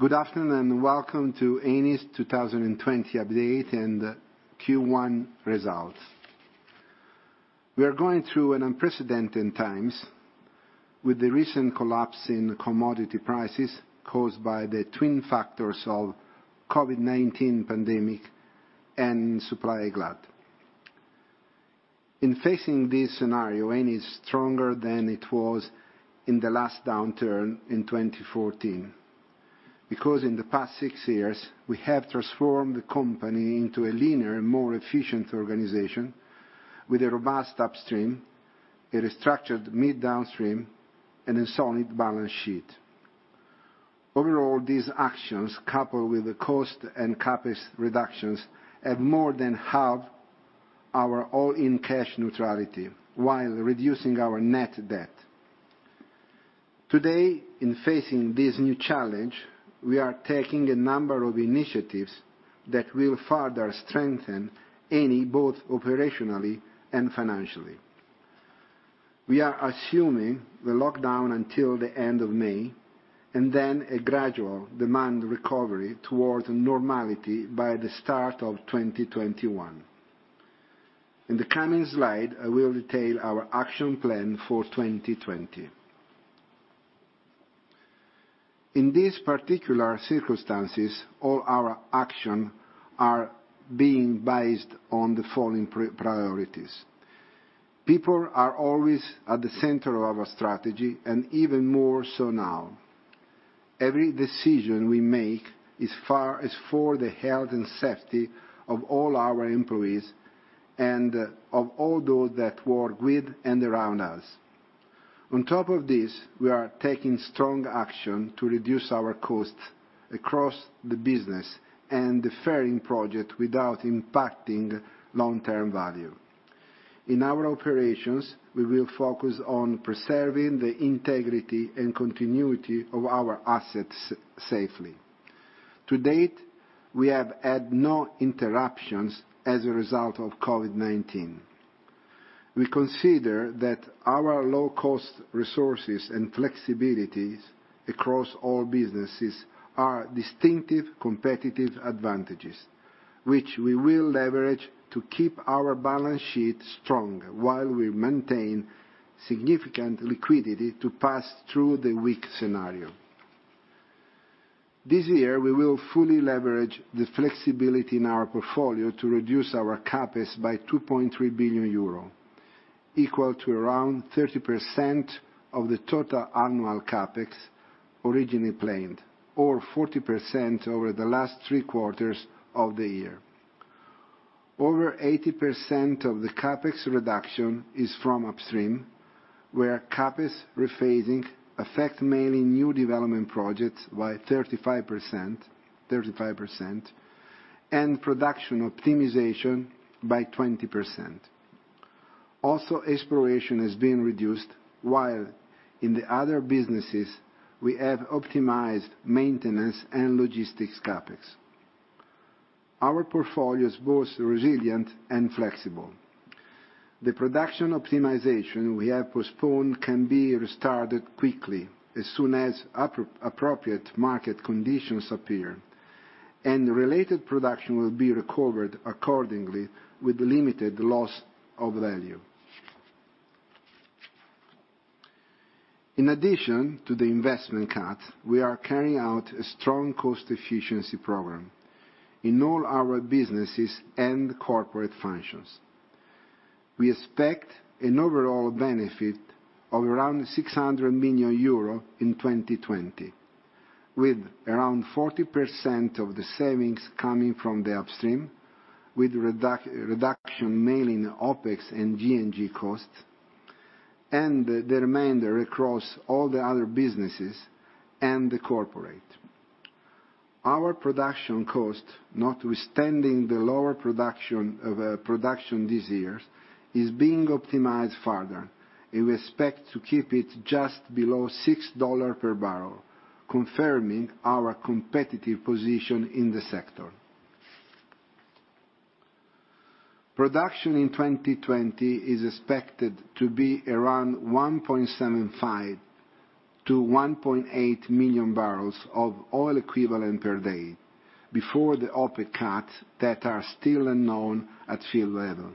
Good afternoon and Welcome to Eni's 2020 update and Q1 results. We are going through an unprecedented times with the recent collapse in commodity prices caused by the twin factors of COVID-19 pandemic and supply glut. In facing this scenario, Eni is stronger than it was in the last downturn in 2014. In the past six years, we have transformed the company into a leaner, more efficient organization with a robust upstream, a structured mid downstream, and a solid balance sheet. Overall, these actions, coupled with the cost and CapEx reductions, have more than halved our all-in cash neutrality while reducing our net debt. Today, in facing this new challenge, we are taking a number of initiatives that will further strengthen Eni, both operationally and financially. We are assuming the lockdown until the end of May, and then a gradual demand recovery toward normality by the start of 2021. In the coming slide, I will detail our action plan for 2020. In these particular circumstances, all our action are being based on the following priorities. People are always at the center of our strategy, and even more so now. Every decision we make is for the health and safety of all our employees and of all those that work with and around us. On top of this, we are taking strong action to reduce our costs across the business and deferring project without impacting long-term value. In our operations, we will focus on preserving the integrity and continuity of our assets safely. To date, we have had no interruptions as a result of COVID-19. We consider that our low-cost resources and flexibilities across all businesses are distinctive competitive advantages, which we will leverage to keep our balance sheet strong while we maintain significant liquidity to pass through the weak scenario. This year, we will fully leverage the flexibility in our portfolio to reduce our CapEx by 2.3 billion euro, equal to around 30% of the total annual CapEx originally planned, or 40% over the last three quarters of the year. Also, over 80% of the CapEx reduction is from upstream, where CapEx rephasing affect mainly new development projects by 35%, and production optimization by 20%. In the other businesses, we have optimized maintenance and logistics CapEx. Our portfolio is both resilient and flexible. The production optimization we have postponed can be restarted quickly as soon as appropriate market conditions appear, and related production will be recovered accordingly with limited loss of value. In addition to the investment cut, we are carrying out a strong cost efficiency program in all our businesses and corporate functions. We expect an overall benefit of around 600 million euro in 2020, with around 40% of the savings coming from the upstream with reduction mainly in OpEx and G&G costs, and the remainder across all the other businesses and the corporate. Our production cost, notwithstanding the lower production this year, is being optimized further. We expect to keep it just below $6 per bbl, confirming our competitive position in the sector. Production in 2020 is expected to be around 1.75-1.8 million bbl of oil equivalent per day before the OpEx cuts that are still unknown at field level.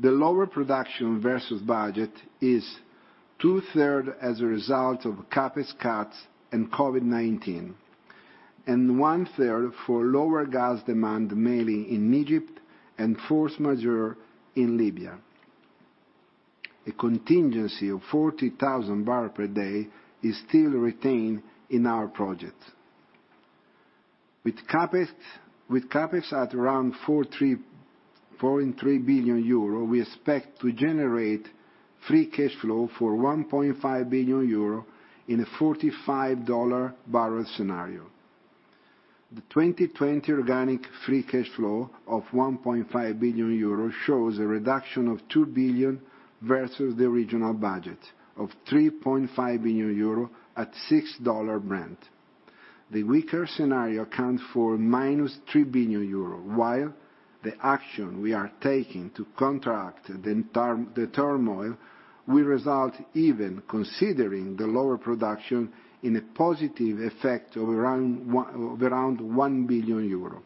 The lower production versus budget is 2/3 as a result of CapEx cuts and COVID-19, and 1/3 for lower gas demand, mainly in Egypt and force majeure in Libya. A contingency of 40,000 bpd is still retained in our projects. With CapEx at around 4.3 billion euro, we expect to generate free cash flow for 1.5 billion euro in a $45 bbl scenario. The 2020 organic free cash flow of 1.5 billion euros shows a reduction of 2 billion versus the original budget of 3.5 billion euros at $6 Brent. The weaker scenario accounts for -3 billion euros. The action we are taking to contract the turmoil will result, even considering the lower production, in a positive effect of around 1 billion euro.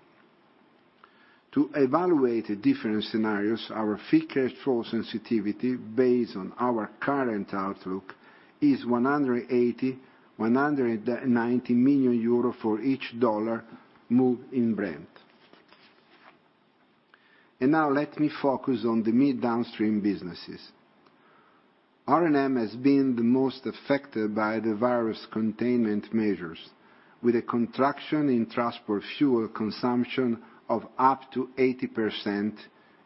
To evaluate the different scenarios, our free cash flow sensitivity, based on our current outlook, is 180 million-190 million euros for each dollar move in Brent. Now let me focus on the mid downstream businesses. R&M has been the most affected by the virus containment measures, with a contraction in transport fuel consumption of up to 80%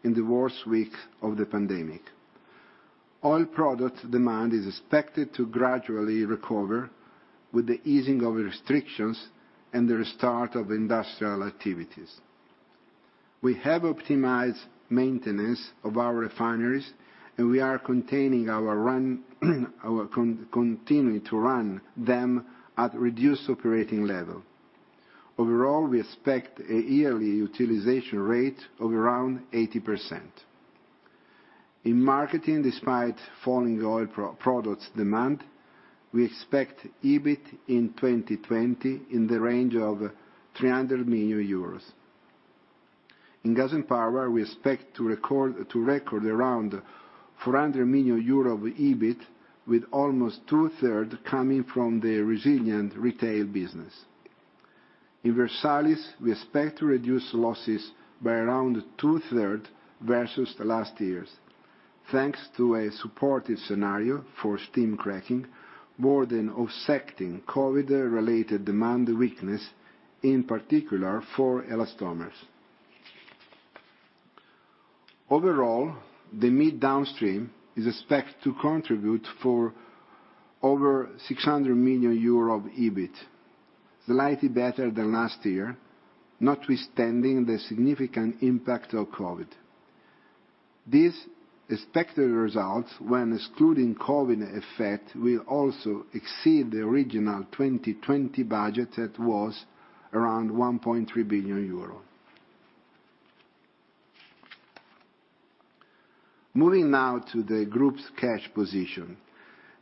in the worst week of the pandemic. Oil product demand is expected to gradually recover with the easing of restrictions and the restart of industrial activities. We have optimized maintenance of our refineries, and we are continuing to run them at reduced operating level. Overall, we expect a yearly utilization rate of around 80%. In marketing, despite falling oil products demand, we expect EBIT in 2020 in the range of 300 million euros. In Gas & Power, we expect to record around 400 million euro of EBIT, with almost 2/3 coming from the resilient retail business. In Versalis, we expect to reduce losses by around 2/3 versus the last years, thanks to a supportive scenario for steam cracking, more than offsetting COVID-related demand weakness, in particular for elastomers. Overall, the mid downstream is expected to contribute for over 600 million euro of EBIT, slightly better than last year, notwithstanding the significant impact of COVID. These expected results, when excluding COVID effect, will also exceed the original 2020 budget that was around 1.3 billion euro. Moving now to the group's cash position.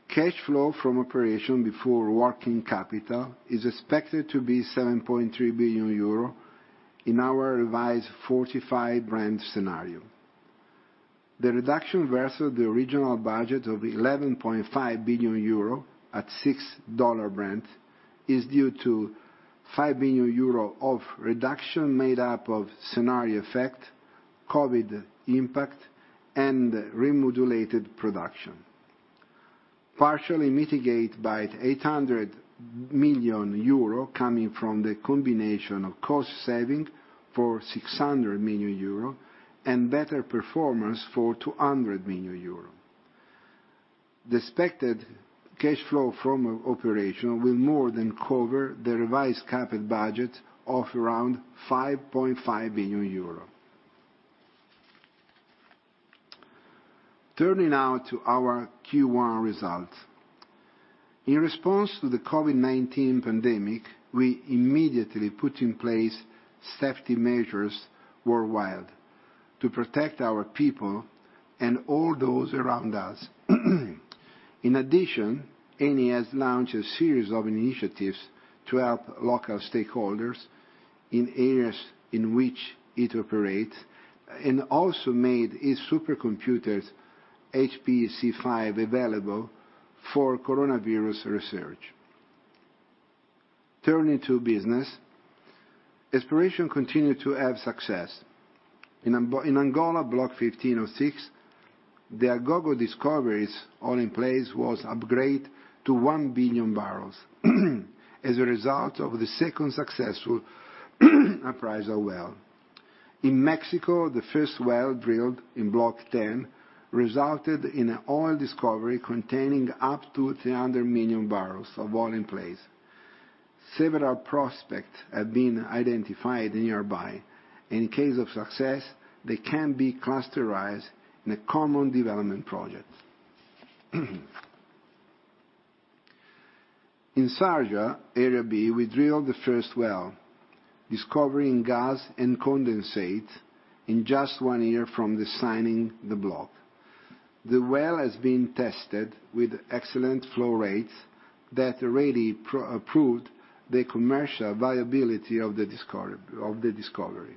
Cash flow from operation before working capital is expected to be 7.3 billion euro in our revised $45 Brent scenario. The reduction versus the original budget of 11.5 billion euro at $6 Brent is due to 5 billion euro of reduction made up of scenario effect, COVID-19 impact, and remodulated production, partially mitigated by 800 million euro coming from the combination of cost saving for 600 million euro and better performance for 200 million euro. The expected cash flow from operation will more than cover the revised capital budget of around 5.5 billion euro. Turning now to our Q1 results. In response to the COVID-19 pandemic, we immediately put in place safety measures worldwide to protect our people and all those around us. In addition, Eni has launched a series of initiatives to help local stakeholders in areas in which it operates, and also made its supercomputers, HPC5, available for coronavirus research. Turning to business. Exploration continued to have success. In Angola, Block 15/06, the Agogo discovery oil in place was upgraded to 1 billion bbl as a result of the second successful appraisal well. In Mexico, the first well drilled in Block 10 resulted in an oil discovery containing up to 300 million bbl of oil in place. Several prospects have been identified nearby. In case of success, they can be clusterized in a common development project. In Sharjah, Area B, we drilled the first well, discovering gas and condensate in just one year from the signing the block. The well has been tested with excellent flow rates that already proved the commercial viability of the discovery.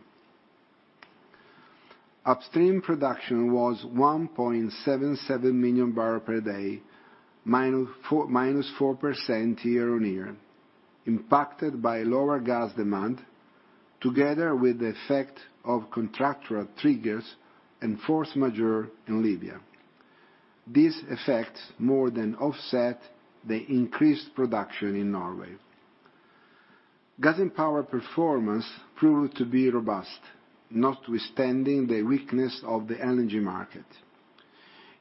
Upstream production was 1.77 MMbpd, -4% year-on-year, impacted by lower gas demand, together with the effect of contractual triggers and force majeure in Libya. These effects more than offset the increased production in Norway. Gas & Power performance proved to be robust, notwithstanding the weakness of the energy market.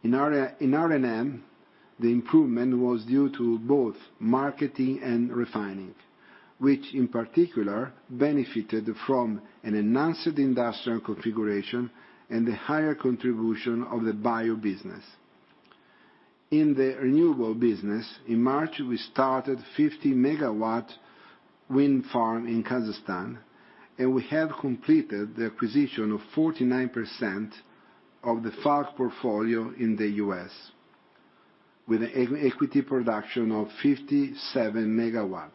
In R&M, the improvement was due to both marketing and refining, which, in particular, benefited from an enhanced industrial configuration and a higher contribution of the bio business. In the renewable business, in March, we started 50 MW wind farm in Kazakhstan, and we have completed the acquisition of 49% of the Falck portfolio in the U.S. with an equity production of 57 MW.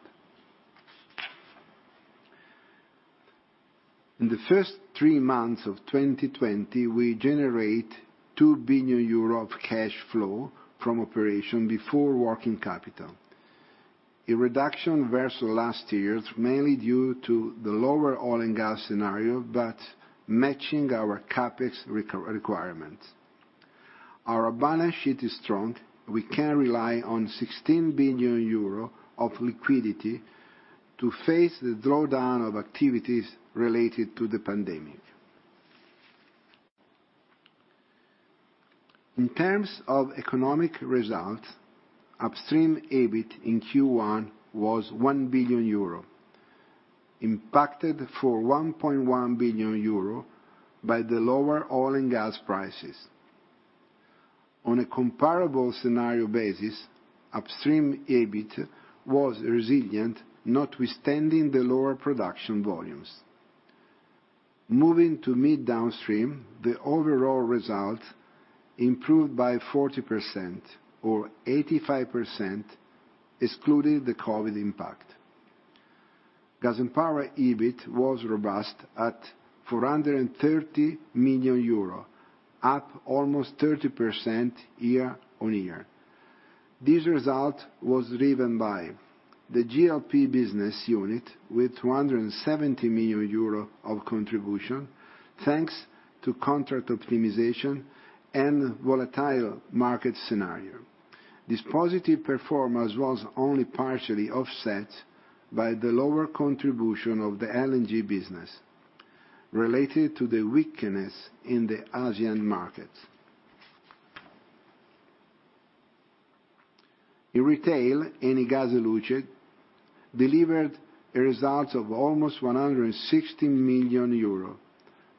In the first three months of 2020, we generate 2 billion euro cash flow from operation before working capital. A reduction versus last year, mainly due to the lower oil and gas scenario, but matching our CapEx requirements. Our balance sheet is strong. We can rely on 16 billion euro of liquidity to face the drawdown of activities related to the pandemic. In terms of economic results, upstream EBIT in Q1 was 1 billion euro, impacted for 1.1 billion euro by the lower oil and gas prices. On a comparable scenario basis, upstream EBIT was resilient, notwithstanding the lower production volumes. Moving to mid downstream, the overall result improved by 40% or 85% excluding the COVID impact. Gas & Power EBIT was robust at 430 million euro, up almost 30% year-on-year. This result was driven by the G&P business unit with 270 million euro of contribution, thanks to contract optimization and volatile market scenario. This positive performance was only partially offset by the lower contribution of the LNG business related to the weakness in the Asian markets. In retail, Eni Gas e Luce delivered a result of almost 116 million euro,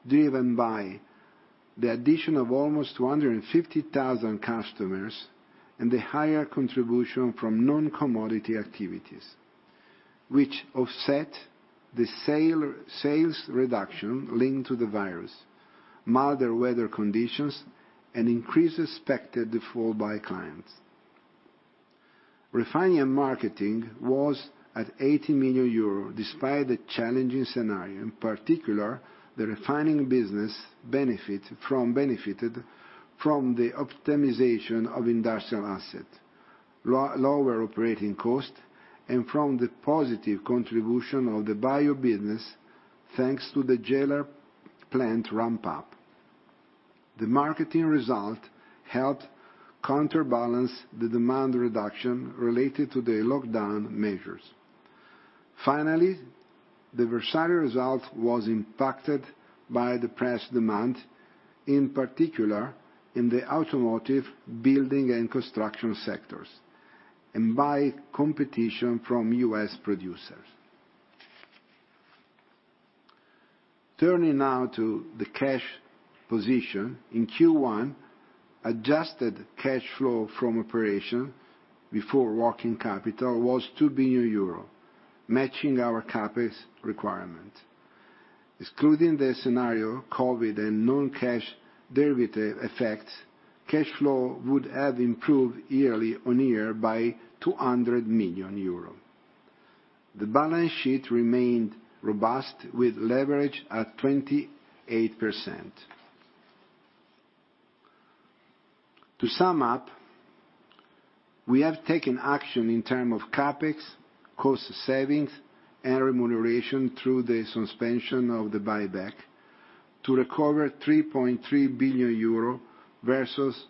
driven by the addition of almost 250,000 customers and the higher contribution from non-commodity activities, which offset the sales reduction linked to the virus, milder weather conditions, and increased expected default by clients. Refining and marketing was at 80 million euros, despite the challenging scenario. In particular, the refining business benefited from the optimization of industrial assets, lower operating costs, and from the positive contribution of the bio business, thanks to the Gela plant ramp-up. The marketing result helped counterbalance the demand reduction related to the lockdown measures. Finally, the Versalis result was impacted by depressed demand, in particular in the automotive, building, and construction sectors, and by competition from U.S. producers. Turning now to the cash position. In Q1, adjusted cash flow from operation before working capital was 2 billion euro, matching our CapEx requirement. Excluding the scenario COVID and non-cash derivative effects, cash flow would have improved year-on-year by 200 million euro. The balance sheet remained robust with leverage at 28%. To sum up, we have taken action in terms of CapEx, cost savings, and remuneration through the suspension of the buyback to recover 3.3 billion euro versus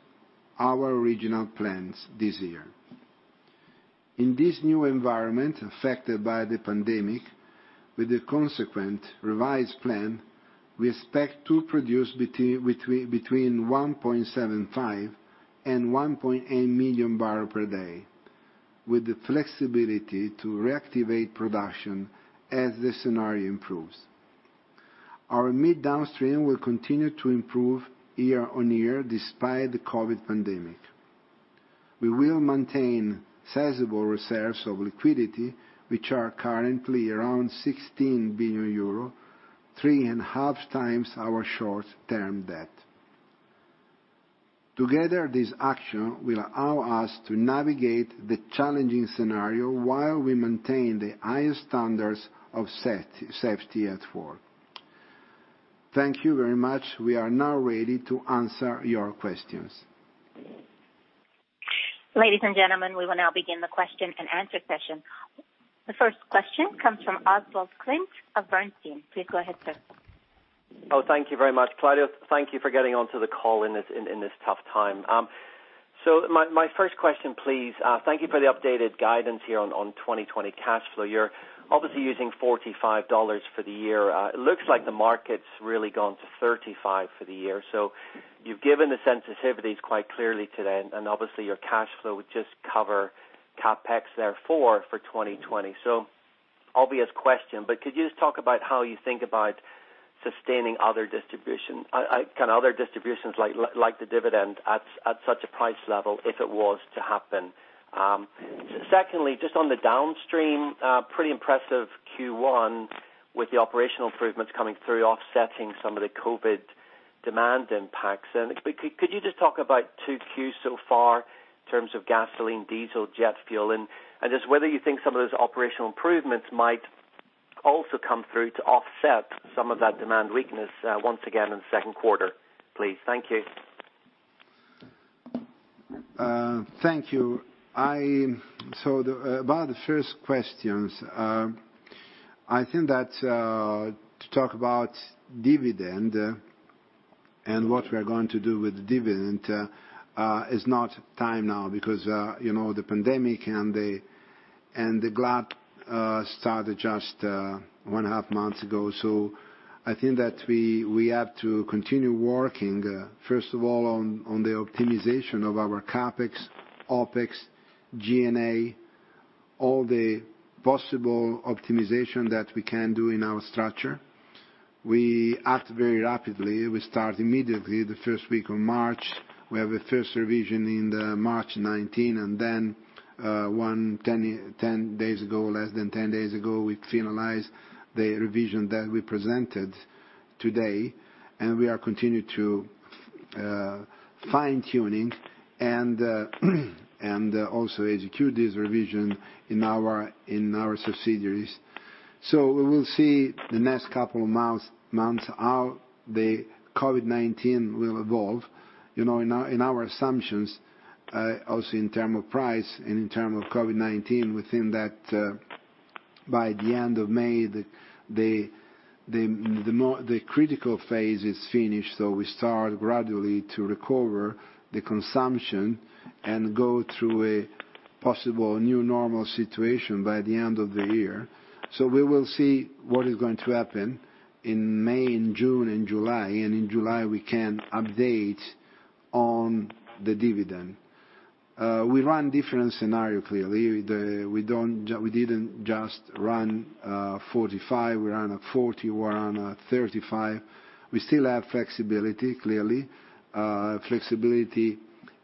our original plans this year. In this new environment affected by the pandemic with the consequent revised plan, we expect to produce between 1.75 and 1.8 million bpd with the flexibility to reactivate production as the scenario improves. Our midstream will continue to improve year-on-year despite the COVID pandemic. We will maintain sizable reserves of liquidity, which are currently around 16 billion euro, three and a half times our short-term debt. Together, this action will allow us to navigate the challenging scenario while we maintain the highest standards of safety at work. Thank you very much. We are now ready to answer your questions. Ladies and gentlemen, we will now begin the question and answer session. The first question comes from Oswald Clint of Bernstein. Please go ahead, sir. Oh, thank you very much. Claudio, thank you for getting onto the call in this tough time. My first question, please. Thank you for the updated guidance here on 2020 cash flow. You're obviously using $45 for the year. It looks like the market's really gone to 35 for the year. You've given the sensitivities quite clearly today, and obviously, your cash flow would just cover CapEx there for 2020. Obvious question, but could you just talk about how you think about sustaining other distributions, like the dividend at such a price level if it was to happen? Secondly, just on the downstream, pretty impressive Q1 with the operational improvements coming through, offsetting some of the COVID-19 demand impacts. Could you just talk about 2Q so far in terms of gasoline, diesel, jet fuel, and just whether you think some of those operational improvements might also come through to offset some of that demand weakness once again in the second quarter, please. Thank you. Thank you. About the first questions. I think that to talk about dividend and what we are going to do with the dividend is not time now, because the pandemic and the glut started just one half months ago. I think that we have to continue working, first of all, on the optimization of our CapEx, OpEx, G&A, all the possible optimization that we can do in our structure. We act very rapidly. We start immediately the first week of March. We have a first revision in the March 19, and then less than 10 days ago, we finalized the revision that we presented today, and we are continue to fine-tuning and also execute this revision in our subsidiaries. We will see the next couple of months how the COVID-19 will evolve. In our assumptions, also in terms of price and in terms of COVID-19, we think that by the end of May, the critical phase is finished. We start gradually to recover the consumption and go through a possible new normal situation by the end of the year. We will see what is going to happen in May, and June, and July. In July, we can update on the dividend. We run different scenarios clearly. We didn't just run $45, we ran a $40, we ran a $35. We still have flexibility, clearly. Flexibility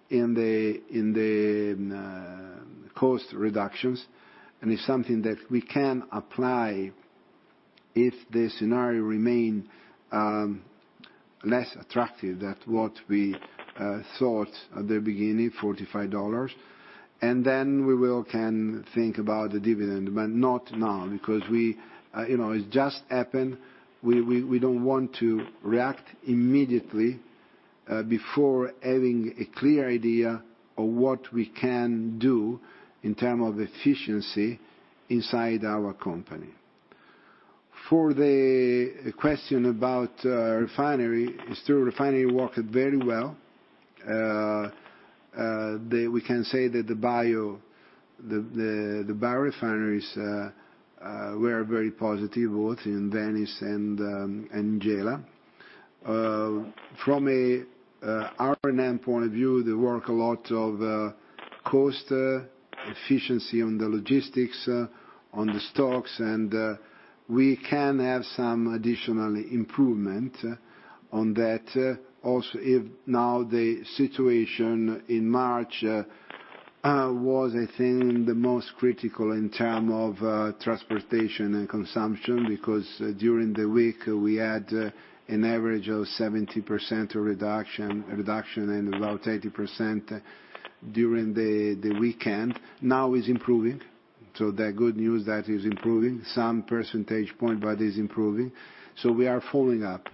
in the cost reductions. It's something that we can apply if the scenario remains less attractive than what we thought at the beginning, $45. We will can think about the dividend, but not now because it just happened. We don't want to react immediately, before having a clear idea of what we can do in terms of efficiency inside our company. For the question about refinery, still refinery working very well. We can say that the bio refineries were very positive, both in Venice and in Gela. From a R&M point of view, they work a lot of cost efficiency on the logistics, on the stocks. We can have some additional improvement on that also if now the situation in March was, I think, the most critical in terms of transportation and consumption, because during the week, we had an average of 70% reduction and about 80% during the weekend. Now is improving. The good news that is improving. Some percentage point, is improving. We are following up,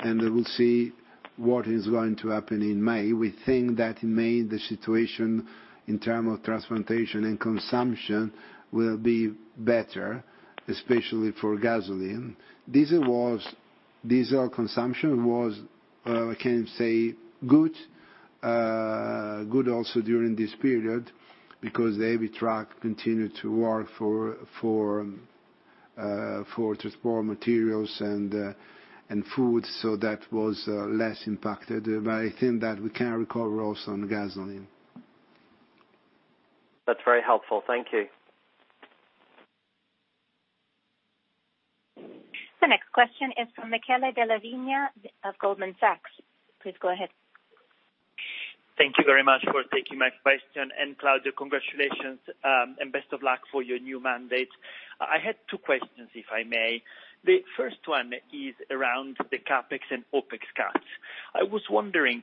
and we will see what is going to happen in May. We think that in terms of transportation and consumption will be better, especially for gasoline. Diesel consumption was, I can say, good also during this period because the heavy truck continued to work for transport materials and food. That was less impacted. I think that we can recover also on gasoline. That's very helpful. Thank you. The next question is from Michele Della Vigna of Goldman Sachs. Please go ahead. Thank you very much for taking my question. Claudio, congratulations, and best of luck for your new mandate. I had two questions, if I may. The first one is around the CapEx and OpEx cuts. I was wondering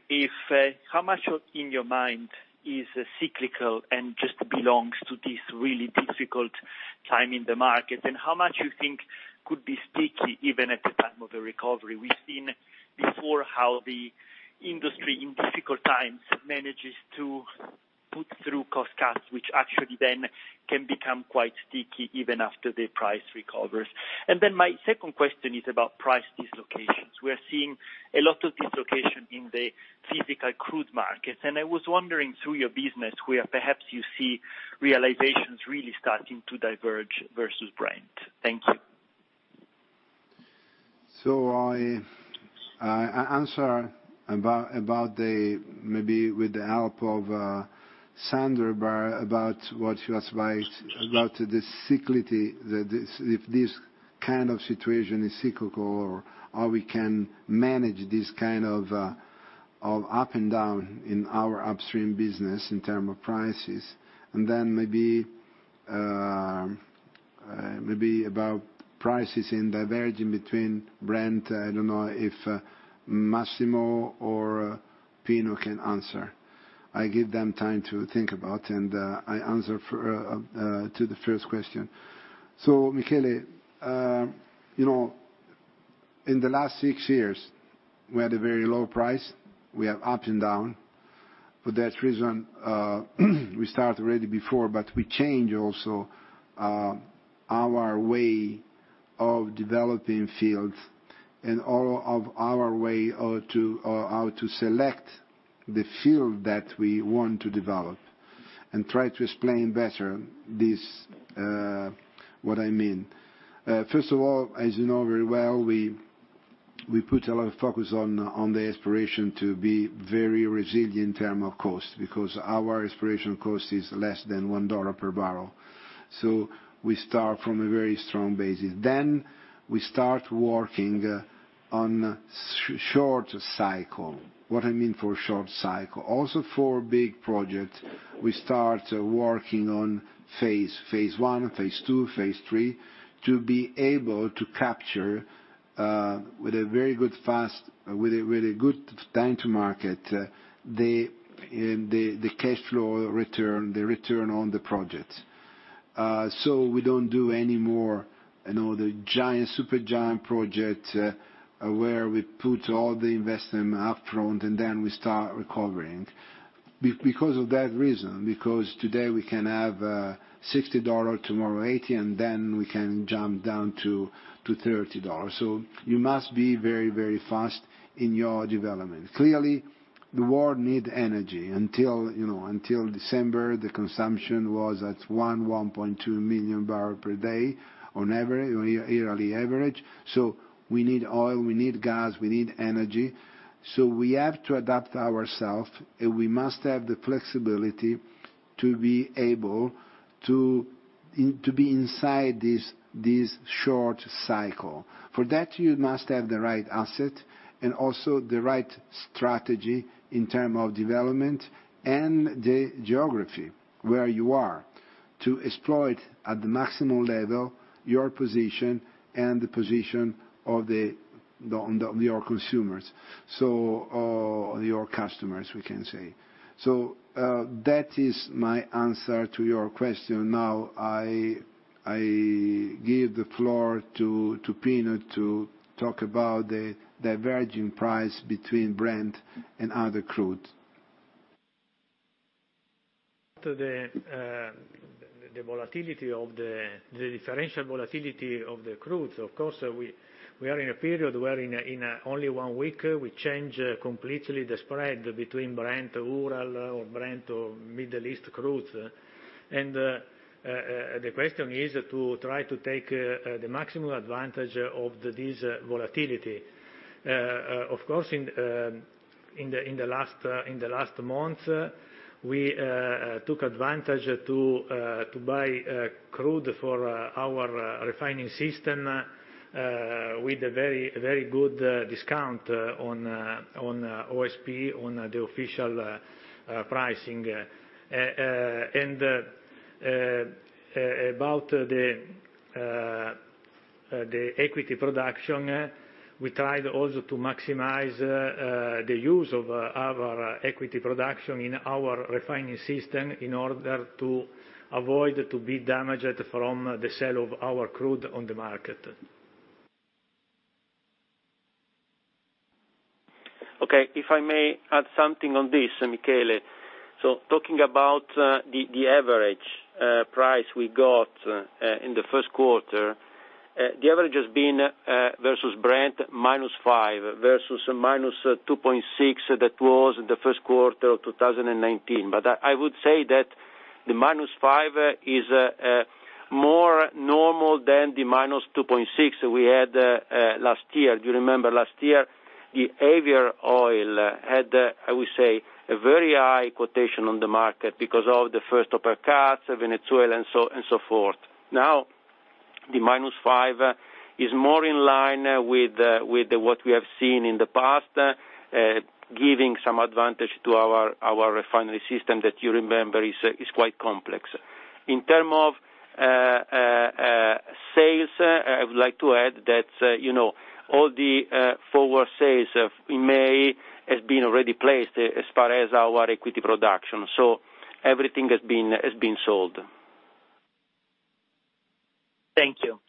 how much in your mind is cyclical and just belongs to this really difficult time in the market, and how much you think could be sticky even at the time of the recovery. We've seen before how the industry in difficult times manages to put through cost cuts, which actually then can become quite sticky even after the price recovers. My second question is about price dislocations. We are seeing a lot of dislocation in the physical crude markets, and I was wondering through your business where perhaps you see realizations really starting to diverge versus Brent. Thank you. I answer about maybe with the help of Sandro, about what you asked about the cyclicality, if this kind of situation is cyclical or how we can manage this kind of up and down in our upstream business in term of prices. Then maybe about prices diverging between Brent. I don't know if Massimo or Pino can answer. I give them time to think about and I answer to the first question. Michele, in the last six years, we had a very low price. We have up and down. For that reason, we start already before, but we change also our way of developing fields and all of our way how to select the field that we want to develop, and try to explain better what I mean. First of all, as you know very well, we put a lot of focus on the exploration to be very resilient in terms of cost, because our exploration cost is less than $1 per bbl. We start from a very strong basis. We start working on short cycle. What I mean by short cycle, also for big projects, we start working on phase one, phase two, phase three to be able to capture with a very good time to market, the cash flow return, the return on the project. We don't do any more super giant projects, where we put all the investment up front and then we start recovering. Because of that reason, because today we can have $60, tomorrow $80, and then we can jump down to $30. You must be very fast in your development. Clearly, the world needs energy. Until December, the consumption was at 1.2 MMbpd on yearly average. We need oil, we need gas, we need energy. We have to adapt ourselves, and we must have the flexibility to be able to be inside this short cycle. For that, you must have the right asset and also the right strategy in term of development and the geography where you are to exploit at the maximum level, your position and the position of your consumers. Your customers, we can say. That is my answer to your question. Now, I give the floor to Pino to talk about the diverging price between Brent and other crudes. To the differential volatility of the crudes, of course, we are in a period where in only one week, we change completely the spread between Brent, Urals, or Brent or Middle East crudes. The question is to try to take the maximum advantage of this volatility. Of course, in the last month, we took advantage to buy crude for our refining system with a very good discount on OSP, on the official pricing. About the equity production, we tried also to maximize the use of our equity production in our refining system in order to avoid to be damaged from the sale of our crude on the market. If I may add something on this, Michele. Talking about the average price we got in the first quarter, the average has been versus Brent minus five versus minus 2.6 that was the first quarter of 2019. I would say that the minus five is more normal than the minus 2.6 we had last year. Do you remember last year, the heavy oil had, I would say, a very high quotation on the market because of the first OPEC cuts, Venezuela, and so on and so forth. The minus five is more in line with what we have seen in the past, giving some advantage to our refinery system that you remember is quite complex. In terms of sales, I would like to add that all the forward sales in May has been already placed as far as our equity production. Everything has been sold. Thank you.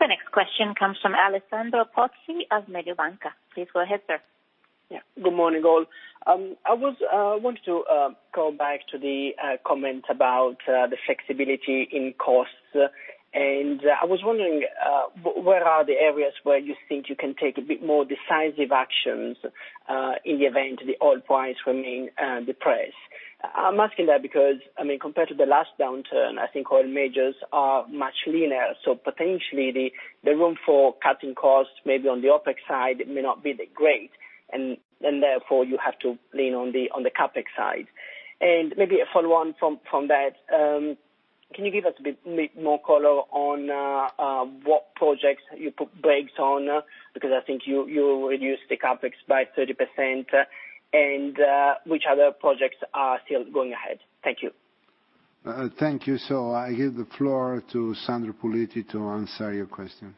The next question comes from Alessandro Pozzi of Mediobanca. Please go ahead, sir. Good morning, all. I wanted to go back to the comment about the flexibility in costs, and I was wondering where are the areas where you think you can take a bit more decisive actions in the event the oil price remain depressed? I'm asking that because compared to the last downturn, I think oil majors are much leaner. Potentially the room for cutting costs, maybe on the OpEx side, may not be that great, and therefore you have to lean on the CapEx side. Maybe a follow-on from that, can you give us a bit more color on what projects you put brakes on? I think you reduced the CapEx by 30%. Which other projects are still going ahead? Thank you. Thank you. I give the floor to Alessandro Puliti to answer your question.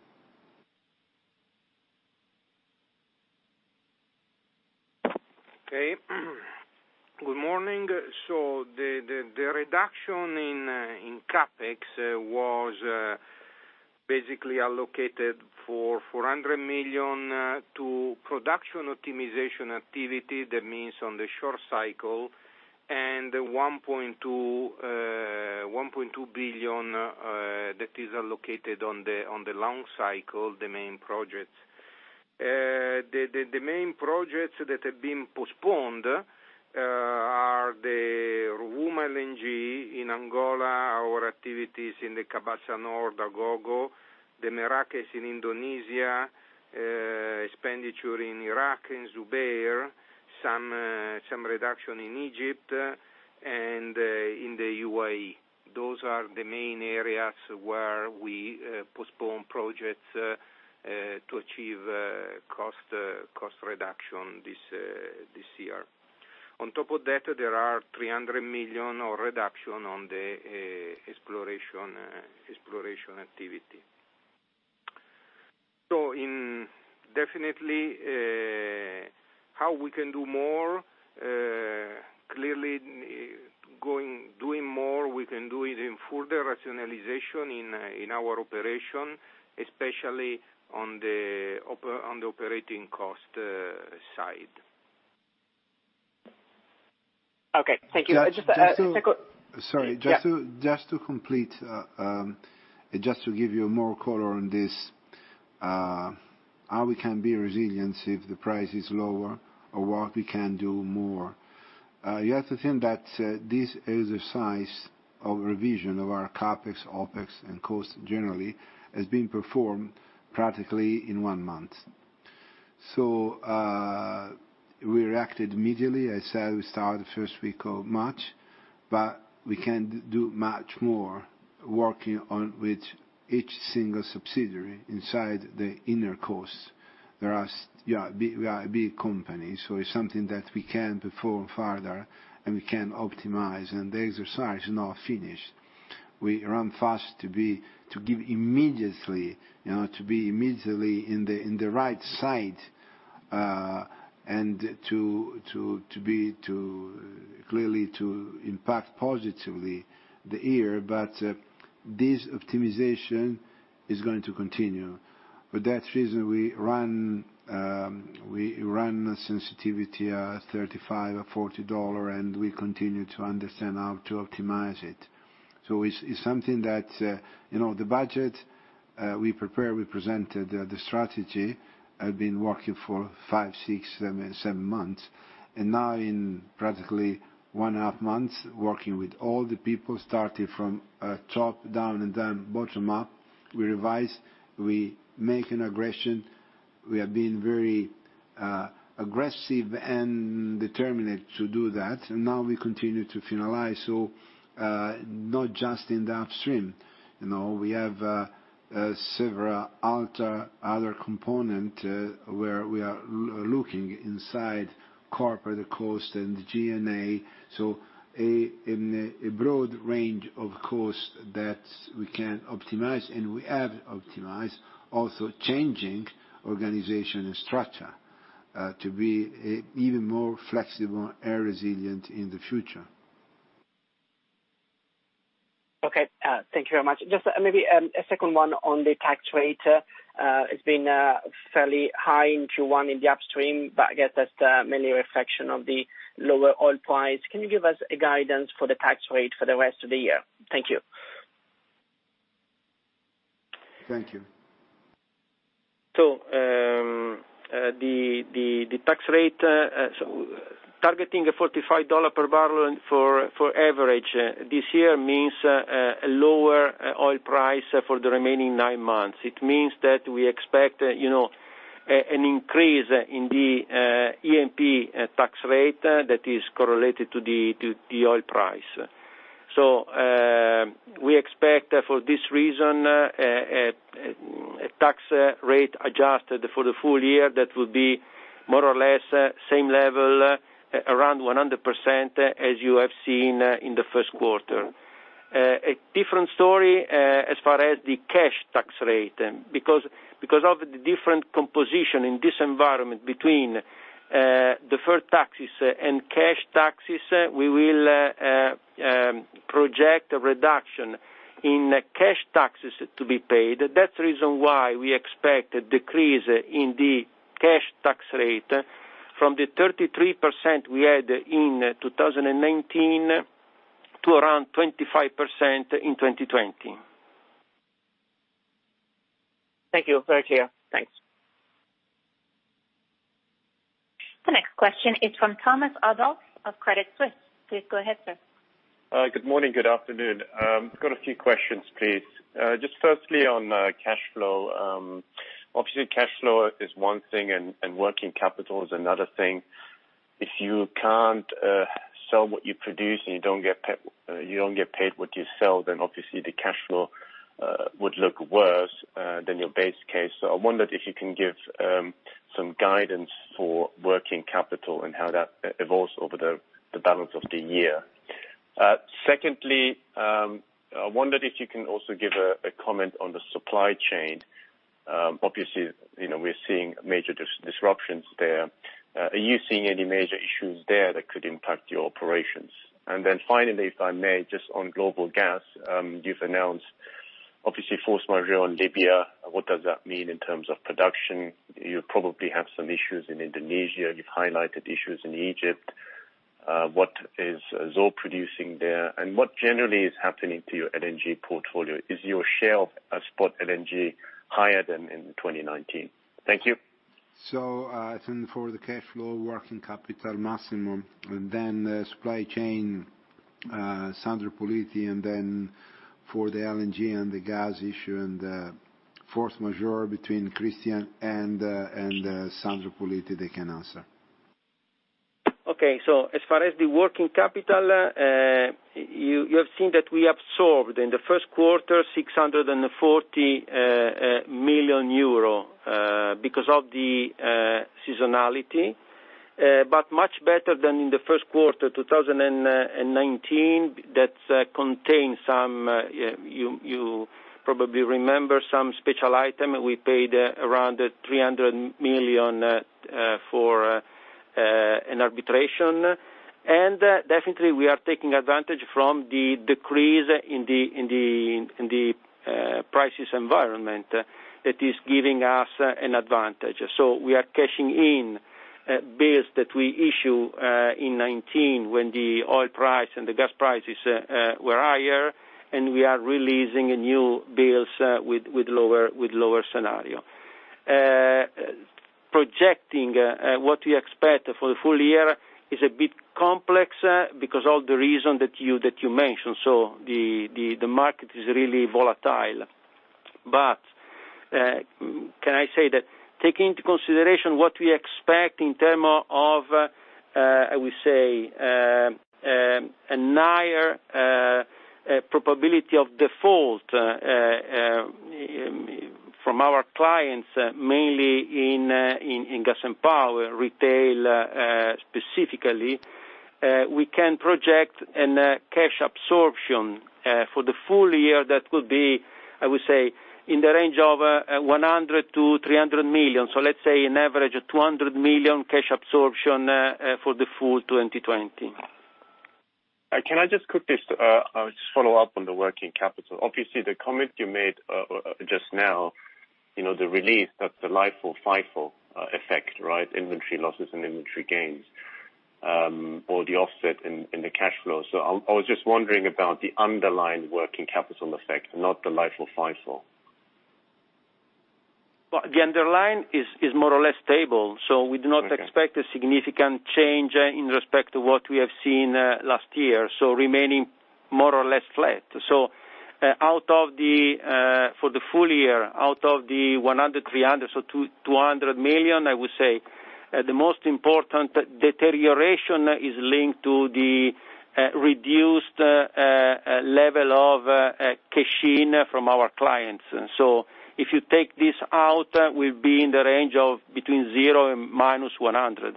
Okay. Good morning. The reduction in CapEx was basically allocated for 400 million to production optimization activity. That means on the short cycle. 1.2 billion that is allocated on the long cycle, the main projects. The main projects that have been postponed are the Rovuma LNG in Angola, our activities in the Cabaça North, Agogo, the Merakes in Indonesia, expenditure in Iraq, in Zubair, some reduction in Egypt, and in the U.A.E. Those are the main areas where we postpone projects to achieve cost reduction this year. On top of that, there are 300 million of reduction on the exploration activity. In definitely how we can do more, clearly doing more, we can do it in further rationalization in our operation, especially on the operating cost side. Okay. Thank you. Just a second. Sorry, just to complete. Yeah. Just to give you more color on this, how we can be resilient if the price is lower or what we can do more. You have to think that this exercise of revision of our CapEx, OpEx, and cost, generally, has been performed practically in one month. We reacted immediately. I said we start the first week of March, we can do much more working on with each single subsidiary inside the inner costs. We are a big company, so it's something that we can perform further, and we can optimize, and the exercise is not finished. We run fast to give immediately, to be immediately in the right side, and clearly to impact positively the year. This optimization is going to continue. For that reason, we run a sensitivity at $35 or $40, and we continue to understand how to optimize it. It's something that the budget, we prepare, we presented the strategy. I've been working for five, six, seven months, and now in practically one and a half months, working with all the people, starting from top down and then bottom up. We revise, we make an aggression. We have been very aggressive and determined to do that, and now we continue to finalize. Not just in the upstream. We have several other component, where we are looking inside corporate cost and G&A. A broad range of costs that we can optimize, and we have optimized, also changing organization and structure to be even more flexible and resilient in the future. Okay. Thank you very much. Just maybe a second one on the tax rate. It's been fairly high in Q1 in the upstream, but I guess that's mainly a reflection of the lower oil price. Can you give us a guidance for the tax rate for the rest of the year? Thank you. Thank you. The tax rate, targeting a $45 per bbl for average this year means a lower oil price for the remaining nine months. It means that we expect an increase in the E&P tax rate that is correlated to the oil price. We expect, for this reason, a tax rate adjusted for the full year that will be more or less same level, around 100%, as you have seen in the first quarter. A different story as far as the cash tax rate. Because of the different composition in this environment between deferred taxes and cash taxes, we will project a reduction in cash taxes to be paid. That's the reason why we expect a decrease in the cash tax rate from the 33% we had in 2019 to around 25% in 2020. Thank you. Very clear. Thanks. The next question is from Thomas Adolff of Credit Suisse. Please go ahead, sir. Good morning, good afternoon. Got a few questions, please. Just firstly on cash flow. Obviously, cash flow is one thing and working capital is another thing. If you can't sell what you produce and you don't get paid what you sell, obviously the cash flow would look worse than your base case. I wondered if you can give some guidance for working capital and how that evolves over the balance of the year. Secondly, I wondered if you can also give a comment on the supply chain. Obviously, we're seeing major disruptions there. Are you seeing any major issues there that could impact your operations? Finally, if I may, just on global gas, you've announced, obviously, force majeure on Libya. What does that mean in terms of production? You probably have some issues in Indonesia, and you've highlighted issues in Egypt. What is Zohr producing there? What generally is happening to your LNG portfolio? Is your share of spot LNG higher than in 2019? Thank you. I think for the cash flow, working capital Massimo, and then supply chain, Sandro Puliti, and then for the LNG and the gas issue and the force majeure between Cristian and Sandro Puliti, they can answer. As far as the working capital, you have seen that we absorbed, in the first quarter, 640 million euro, because of the seasonality. Much better than in the first quarter 2019, that contained some, you probably remember, some special item. We paid around 300 million for an arbitration. Definitely, we are taking advantage from the decrease in the prices environment that is giving us an advantage. We are cashing in bills that we issue in 2019 when the oil price and the gas prices were higher, and we are releasing new bills with lower scenario. Projecting what we expect for the full year is a bit complex because all the reason that you mentioned. The market is really volatile. Can I say that taking into consideration what we expect in terms of, I would say, a higher probability of default from our clients, mainly in Gas & Power, retail, specifically, we can project a cash absorption for the full year that will be, I would say, in the range of 100 million-300 million. Let's say an average of 200 million cash absorption for the full 2020. Can I just quickly just follow up on the working capital? Obviously, the comment you made just now, the release, that's the LIFO, FIFO effect, right? Inventory losses and inventory gains, or the offset in the cash flow. I was just wondering about the underlying working capital effect, not the LIFO, FIFO. Well, the underlying is more or less stable, so we do not expect a significant change in respect to what we have seen last year, remaining more or less flat. For the full year, out of the 100, 300, 200 million, I would say the most important deterioration is linked to the reduced level of cash-in from our clients. If you take this out, we'll be in the range of between 0 and -100.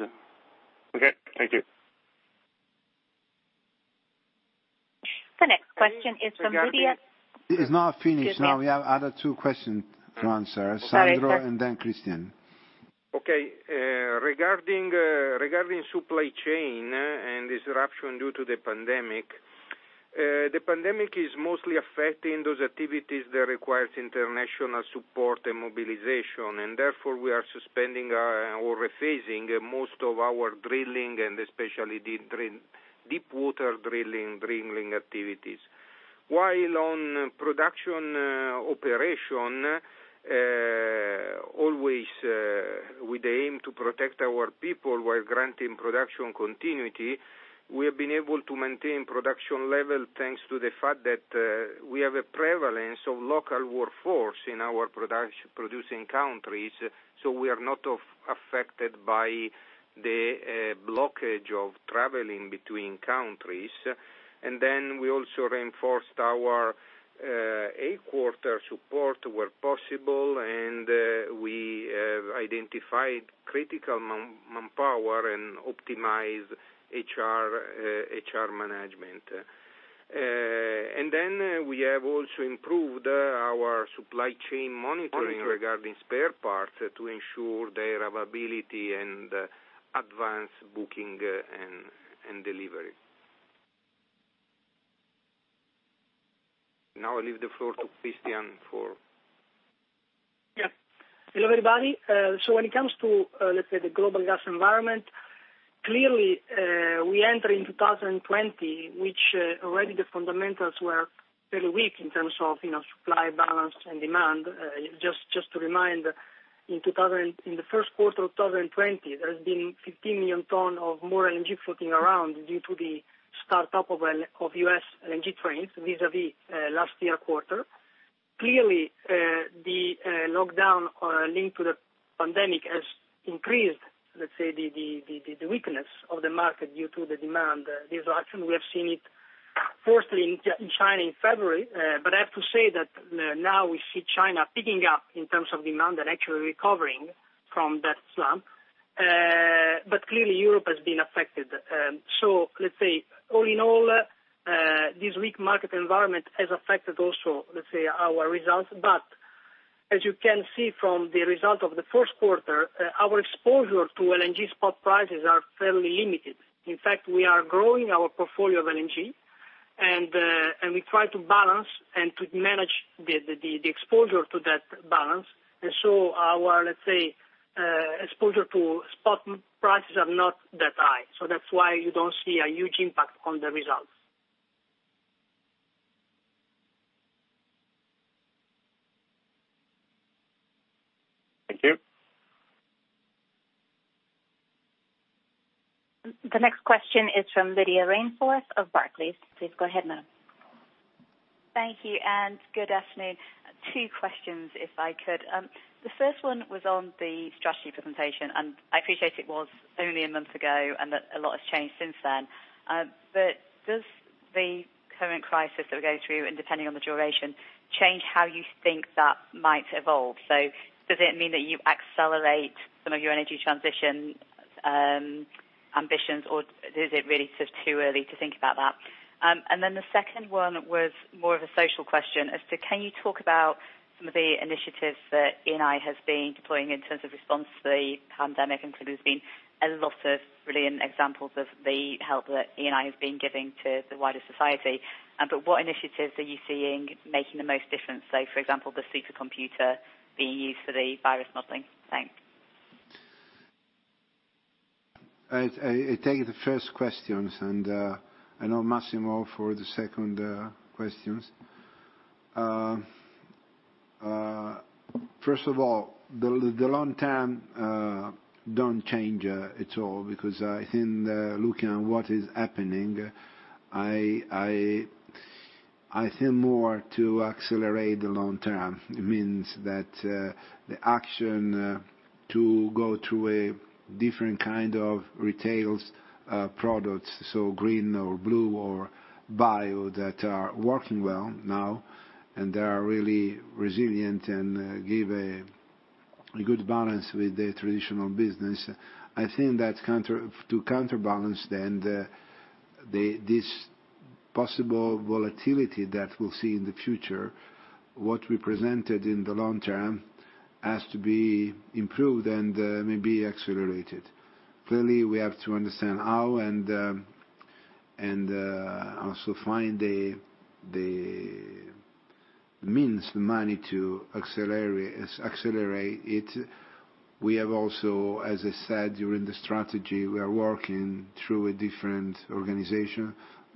Okay. Thank you. The next question is from Lydia. It is not finished. Excuse me. We have other two questions to answer. Sorry. Sandro and then Cristian. Okay. Regarding supply chain and disruption due to the pandemic. The pandemic is mostly affecting those activities that requires international support and mobilization. Therefore, we are suspending or rephasing most of our drilling and especially deep water drilling activities. While on production operation, always with the aim to protect our people while granting production continuity, we have been able to maintain production level, thanks to the fact that we have a prevalence of local workforce in our producing countries, so we are not affected by the blockage of traveling between countries. We also reinforced our headquarter support where possible, and we have identified critical manpower and optimized HR management. We have also improved our supply chain monitoring regarding spare parts to ensure their availability and advance booking and delivery. Now I leave the floor to Cristian. Yeah. Hello, everybody. When it comes to, let's say, the global gas environment. We enter in 2020, which already the fundamentals were very weak in terms of supply balance and demand. Just to remind, in the first quarter of 2020, there has been 15 million tons of more LNG floating around due to the start-up of U.S. LNG trains vis-a-vis last year quarter. The lockdown linked to the pandemic has increased, let's say, the weakness of the market due to the demand disruption. We have seen it firstly in China in February. I have to say that now we see China picking up in terms of demand and actually recovering from that slump. Clearly Europe has been affected. Let's say, all in all, this weak market environment has affected also our results. As you can see from the result of the first quarter, our exposure to LNG spot prices are fairly limited. In fact, we are growing our portfolio of LNG, and we try to balance and to manage the exposure to that balance. Our, let's say, exposure to spot prices are not that high. That's why you don't see a huge impact on the results. Thank you. The next question is from Lydia Rainforth of Barclays. Please go ahead, madam. Thank you. Good afternoon. Two questions, if I could. The first one was on the strategy presentation, and I appreciate it was only a month ago and that a lot has changed since then. Does the current crisis that we're going through, and depending on the duration, change how you think that might evolve? Does it mean that you accelerate some of your energy transition ambitions, or is it really sort of too early to think about that? The second one was more of a social question as to, can you talk about some of the initiatives that Eni has been deploying in terms of response to the pandemic? Clearly there's been a lot of brilliant examples of the help that Eni has been giving to the wider society. What initiatives are you seeing making the most difference? For example, the supercomputer being used for the virus modeling. Thanks. I take the first question, and I know Massimo for the second question. First of all, the long term doesn't change at all because I think looking at what is happening, I think more to accelerate the long term. It means that the action to go through a different kind of retail products, so green or blue or bio, that are working well now, and they are really resilient and give a good balance with the traditional business. I think that to counterbalance, then, this possible volatility that we'll see in the future, what we presented in the long term has to be improved and may be accelerated. Clearly, we have to understand how, and also find the means, the money, to accelerate it. We have also, as I said, during the strategy, we are working through a different organization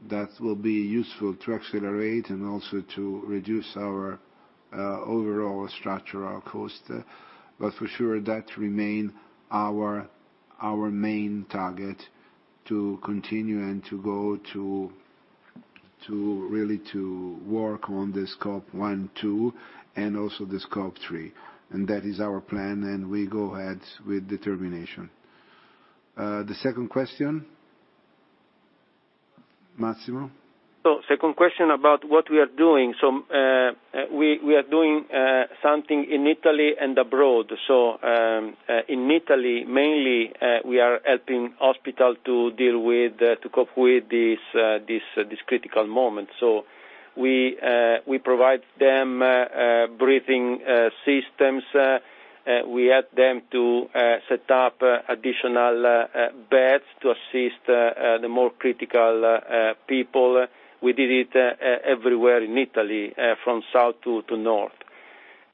that will be useful to accelerate and also to reduce our overall structural cost. For sure, that remain our main target to continue and to go to really to work on Scope 1, Scope 2, and also the Scope 3. That is our plan, and we go ahead with determination. The second question? Massimo? Second question about what we are doing. We are doing something in Italy and abroad. In Italy, mainly, we are helping hospital to cope with this critical moment. We provide them breathing systems. We help them to set up additional beds to assist the more critical people. We did it everywhere in Italy, from south to north.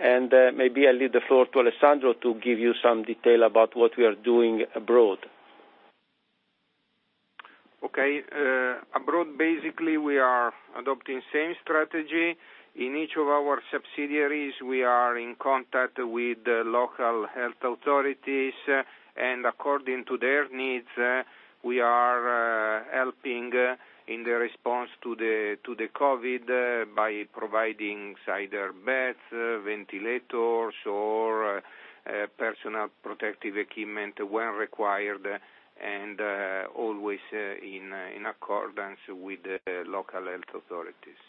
Maybe I leave the floor to Alessandro to give you some detail about what we are doing abroad. Okay. Abroad, basically, we are adopting same strategy. In each of our subsidiaries, we are in contact with the local health authorities. According to their needs, we are helping in the response to the COVID by providing either beds, ventilators, or personal protective equipment when required, and always in accordance with the local health authorities.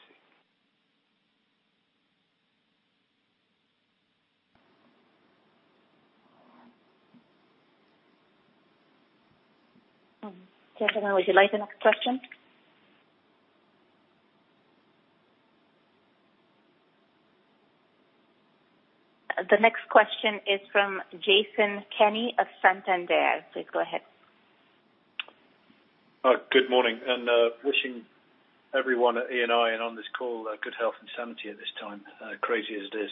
Jessica, would you like the next question? The next question is from Jason Kenney of Santander. Please go ahead. Good morning, wishing everyone at Eni and on this call good health and sanity at this time, crazy as it is.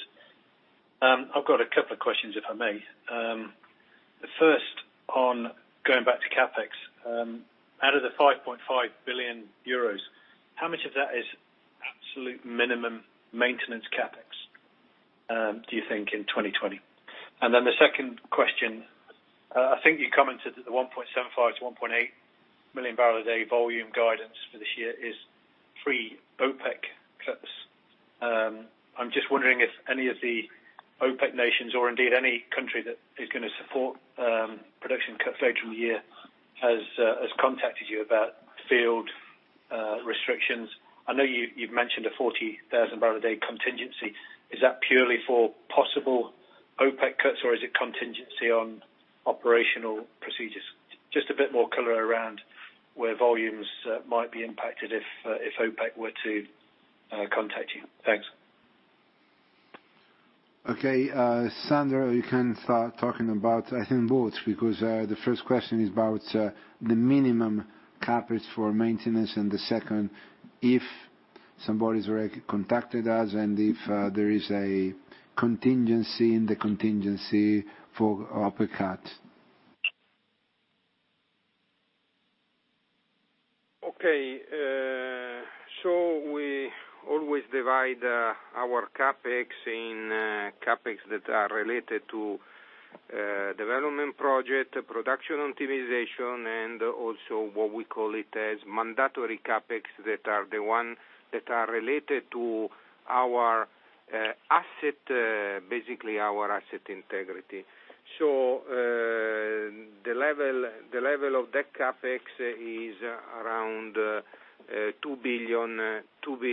I've got a couple of questions, if I may. The first on going back to CapEx. Out of the 5.5 billion euros, how much of that is absolute minimum maintenance CapEx, do you think, in 2020? The second question, I think you commented that the 1.75 million-1.8 million bpd volume guidance for this year is pre-OPEC cuts. I'm just wondering if any of the OPEC nations, or indeed any country that is going to support production cuts later in the year, has contacted you about field restrictions. I know you've mentioned a 40,000 bpd contingency. Is that purely for possible OPEC cuts, or is it contingency on operational procedures? Just a bit more color around where volumes might be impacted if OPEC were to contact you. Thanks. Okay. Sandro, you can start talking about, I think both, because the first question is about the minimum CapEx for maintenance, and the second, if somebody's already contacted us and if there is a contingency in the contingency for OPEC cuts. Okay. We always divide our CapEx in CapEx that are related to development project, production optimization, and also what we call it as mandatory CapEx, that are the one that are related to basically our asset integrity. The level of that CapEx is around EUR 2 billion per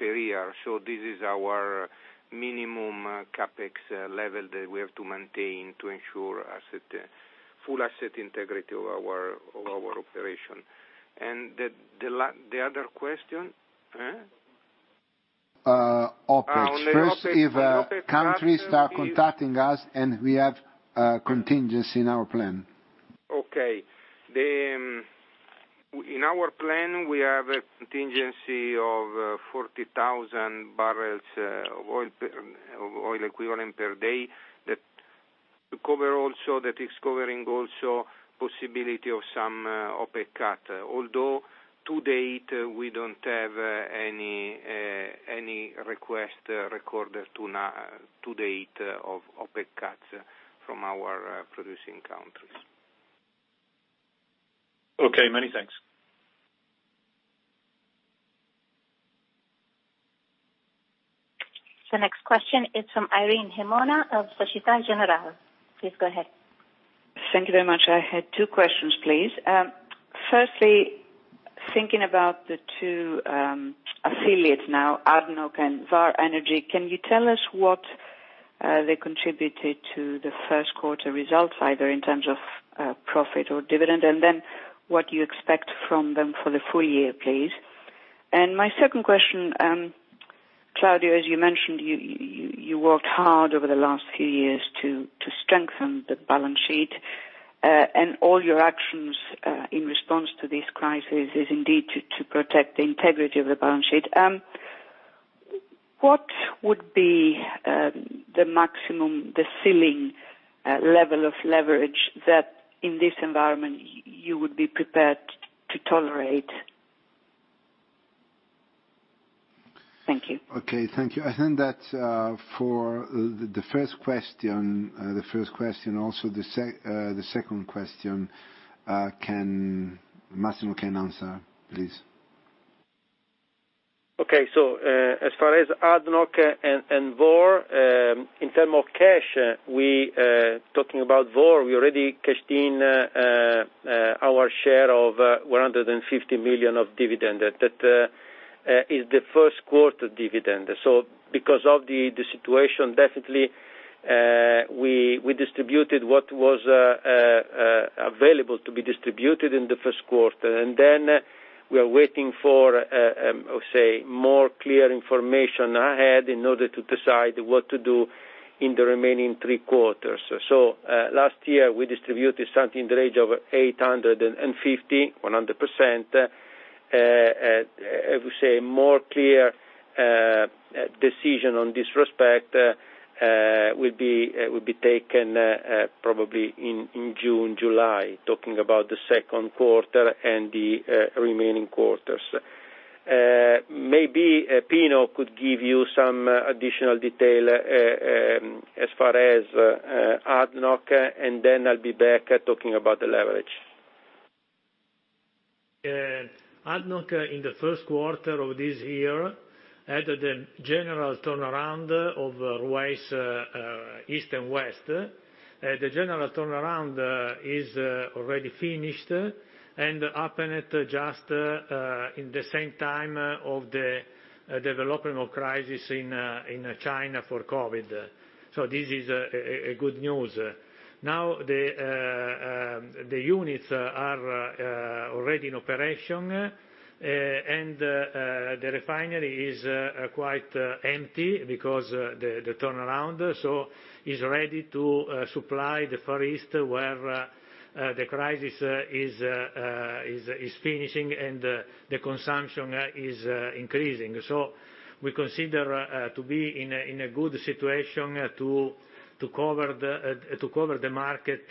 year. This is our minimum CapEx level that we have to maintain to ensure full asset integrity of our operation. The other question? OPEC. First, if countries start contacting us, and we have a contingency in our plan. Okay. In our plan, we have a contingency of 40,000 bbl of oil equivalent per day. That is covering also possibility of some OPEC cut. To date, we don't have any request recorded to date of OPEC cuts from our producing countries. Okay, many thanks. The next question is from Irene Himona of Societe Generale. Please go ahead. Thank you very much. I had two questions, please. Firstly, thinking about the two affiliates now, ADNOC and Vår Energi, can you tell us what they contributed to the first quarter results, either in terms of profit or dividend? Then what you expect from them for the full year, please. My second question, Claudio, as you mentioned, you worked hard over the last few years to strengthen the balance sheet, and all your actions, in response to this crisis, is indeed to protect the integrity of the balance sheet. What would be the maximum, the ceiling, level of leverage that, in this environment, you would be prepared to tolerate? Thank you. Okay, thank you. I think that for the first question, also the second question, Massimo can answer, please. Okay. As far as ADNOC and Vår, in terms of cash, talking about Vår, we already cashed in our share of 150 million of dividend. That is the first quarter dividend. Because of the situation, definitely we distributed what was available to be distributed in the first quarter. Then we are waiting for more clear information ahead in order to decide what to do in the remaining 3 quarters. Last year, we distributed something in the range of 850 million, 100%. I would say more clear decision on this respect will be taken probably in June, July, talking about the second quarter and the remaining quarters. Maybe Pino could give you some additional detail, as far as ADNOC, and then I'll be back talking about the leverage. ADNOC in the first quarter of this year, had the general turnaround of Ruwais East and West. The general turnaround is already finished and happened at just in the same time of the development of crisis in China for COVID. This is a good news. Now the units are already in operation, and the refinery is quite empty because the turnaround. It's ready to supply the Far East, where the crisis is finishing, and the consumption is increasing. We consider to be in a good situation to cover the market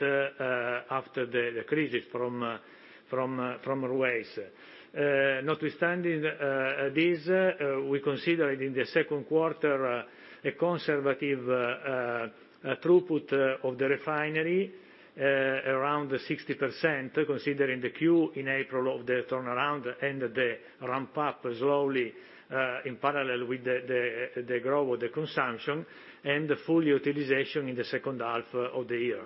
after the crisis from Ruwais. Notwithstanding this, we consider it in the second quarter, a conservative throughput of the refinery around 60%, considering the queue in April of the turnaround and the ramp up slowly, in parallel with the growth of the consumption and the full utilization in the second half of the year.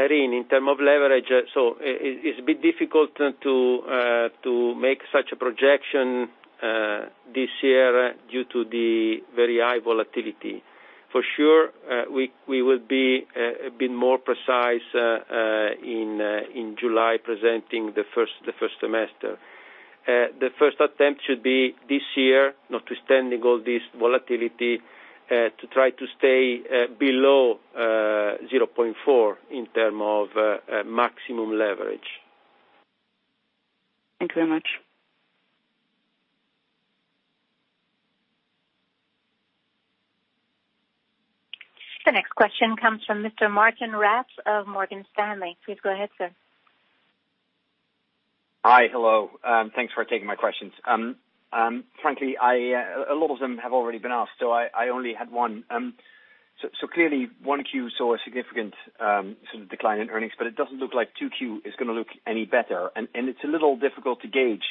Irene, in term of leverage. It's a bit difficult to make such a projection this year due to the very high volatility. For sure, we will be a bit more precise, in July presenting the first semester. The first attempt should be this year, notwithstanding all this volatility, to try to stay below 0.4 in term of maximum leverage. Thank you very much. The next question comes from Mr. Martijn Rats of Morgan Stanley. Please go ahead, sir. Hi. Hello. Thanks for taking my questions. Frankly, a lot of them have already been asked, so I only had one. Clearly, 1Q saw a significant sort of decline in earnings, but it doesn't look like 2Q is going to look any better. It's a little difficult to gauge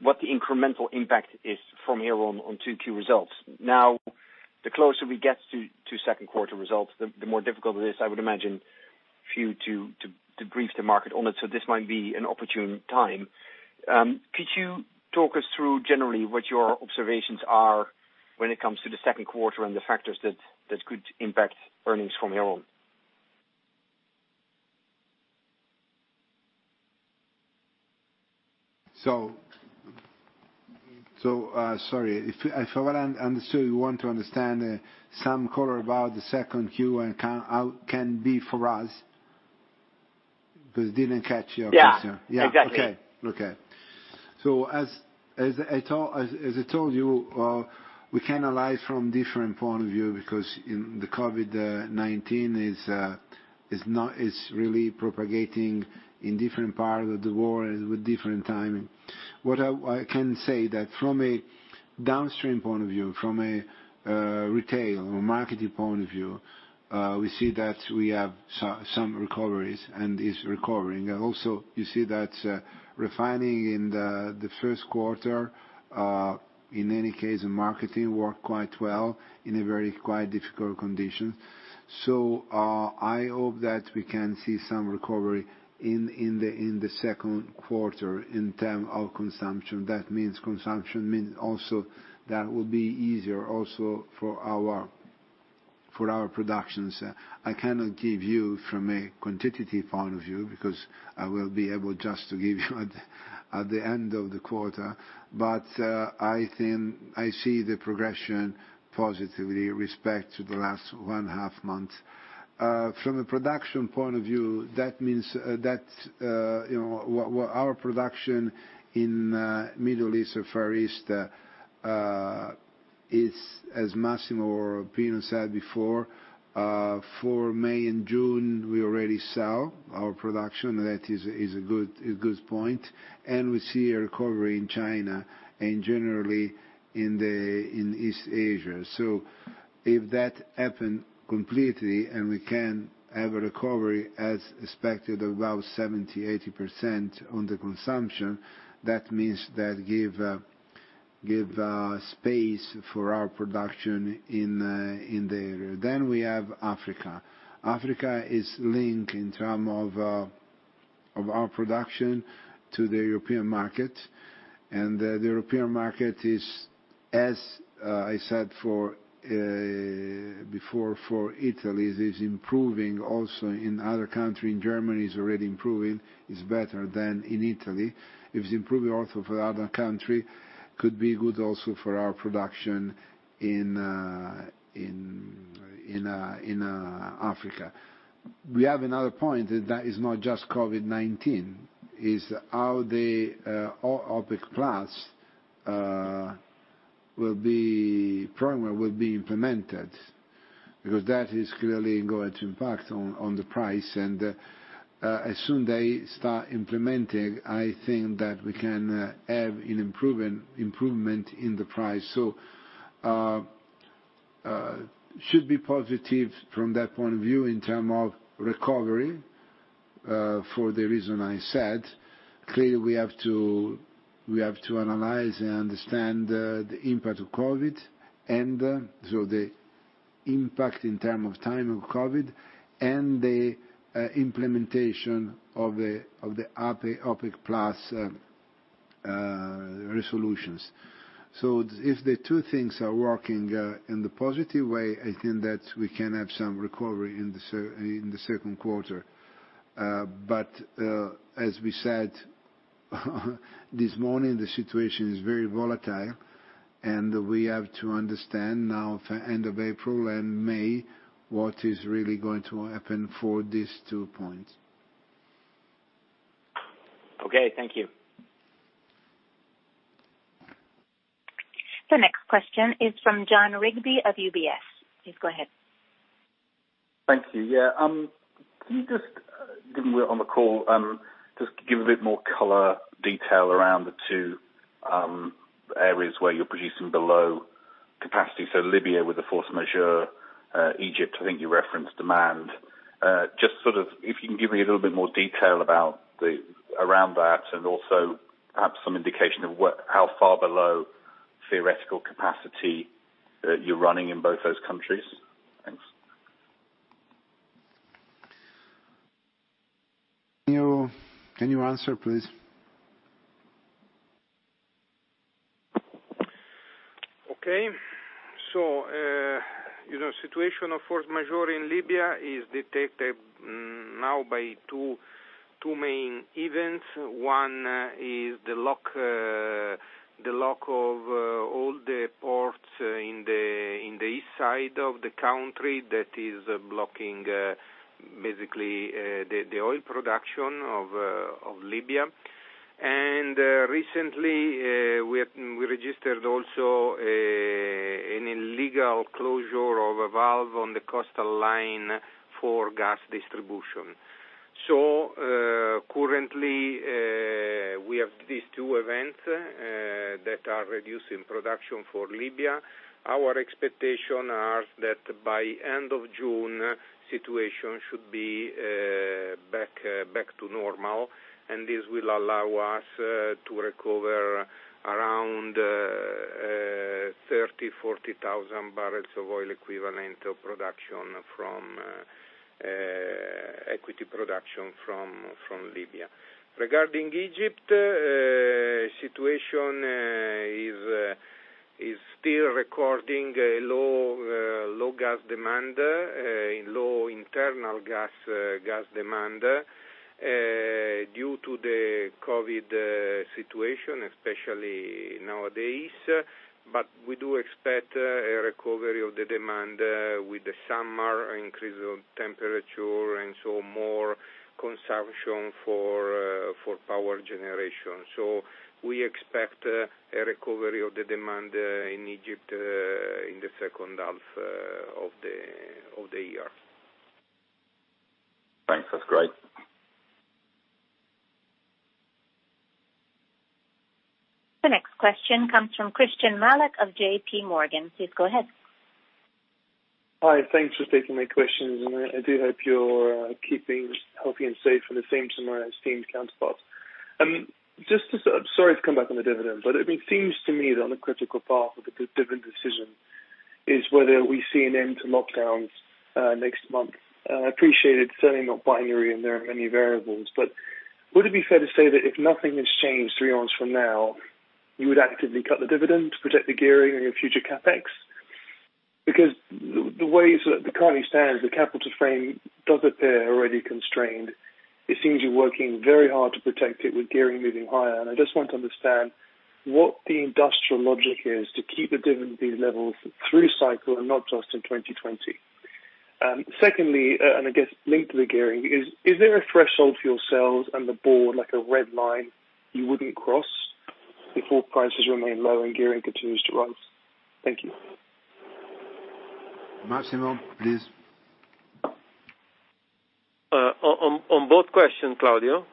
what the incremental impact is from here on 2Q results. Now, the closer we get to second quarter results, the more difficult it is, I would imagine, for you to brief the market on it. This might be an opportune time. Could you talk us through generally what your observations are when it comes to the second quarter and the factors that could impact earnings from here on? Sorry, if I understand, you want to understand some color about the second Q and how it can be for us? Didn't catch your question. Yeah. Exactly. Okay. As I told you, we can analyze from different point of view, because in the COVID-19, it's really propagating in different parts of the world with different timing. What I can say that from a downstream point of view, from a retail or marketing point of view, we see that we have some recoveries and is recovering. Also, you see that refining in the first quarter, in any case, in marketing, worked quite well in a very quite difficult condition. I hope that we can see some recovery in the second quarter in terms of consumption. That means consumption means also that will be easier also for our productions. I cannot give you from a quantitative point of view, because I will be able just to give you at the end of the quarter. I think I see the progression positively respect to the last one half month. From a production point of view, that means that our production in Middle East or Far East, is, as Massimo or Pino said before, for May and June, we already sell our production. That is a good point. We see a recovery in China and generally in East Asia. If that happen completely, and we can have a recovery as expected, about 70%-80% on the consumption, that means that give space for our production in the area. We have Africa. Africa is linked in term of our production to the European market, and the European market is, as I said before, for Italy, is improving also in other country, in Germany is already improving, is better than in Italy. It is improving also for other country, could be good also for our production in Africa. We have another point that is not just COVID-19. Is how the OPEC+ program will be implemented. That is clearly going to impact on the price. As soon they start implementing, I think that we can have an improvement in the price. Should be positive from that point of view in terms of recovery. For the reason I said, clearly we have to analyze and understand the impact of COVID, and so the impact in terms of time of COVID, and the implementation of the OPEC+ resolutions. If the two things are working in the positive way, I think that we can have some recovery in the second quarter. As we said this morning, the situation is very volatile, and we have to understand now for end of April and May, what is really going to happen for these two points. Okay, thank you. The next question is from Jon Rigby of UBS. Please go ahead. Thank you. Yeah. Can you just, given we're on the call, just give a bit more color detail around the two areas where you're producing below capacity. Libya with the force majeure, Egypt, I think you referenced demand. If you can give me a little bit more detail around that, and also perhaps some indication of how far below theoretical capacity that you're running in both those countries. Thanks. Can you answer, please? Okay. Situation of force majeure in Libya is detected now by two main events. One is the block of all the ports in the east side of the country that is blocking, basically, the oil production of Libya. Recently, we registered also an illegal closure of a valve on the coastal line for gas distribution. Currently, we have these two events that are reducing production for Libya. Our expectation are that by end of June, situation should be back to normal, and this will allow us to recover around 30,000, 40,000 bbl of oil equivalent of production from equity production from Libya. Regarding Egypt, situation is still recording a low gas demand, low internal gas demand due to the COVID situation, especially nowadays. We do expect a recovery of the demand with the summer increase of temperature, and so more consumption for power generation. We expect a recovery of the demand in Egypt in the second half of the year. Thanks. That's great. The next question comes from Christyan Malek of JPMorgan. Please go ahead. Hi. Thanks for taking my questions, and I do hope you're keeping healthy and safe in the same as some of my esteemed counterparts. Sorry to come back on the dividend. It seems to me that on a critical path with the dividend decision is whether we see an end to lockdowns next month. I appreciate it's certainly not binary, and there are many variables, but would it be fair to say that if nothing has changed three months from now, you would actively cut the dividend to protect the gearing and your future CapEx? The way it currently stands, the capital frame does appear already constrained. It seems you're working very hard to protect it with gearing moving higher, and I just want to understand what the industrial logic is to keep the dividend at these levels through cycle and not just in 2020. Secondly, and I guess linked to the gearing, is there a threshold for yourselves and the board, like a red line you wouldn't cross before prices remain low and gearing continues to rise? Thank you. Massimo, please. On both questions, Claudio.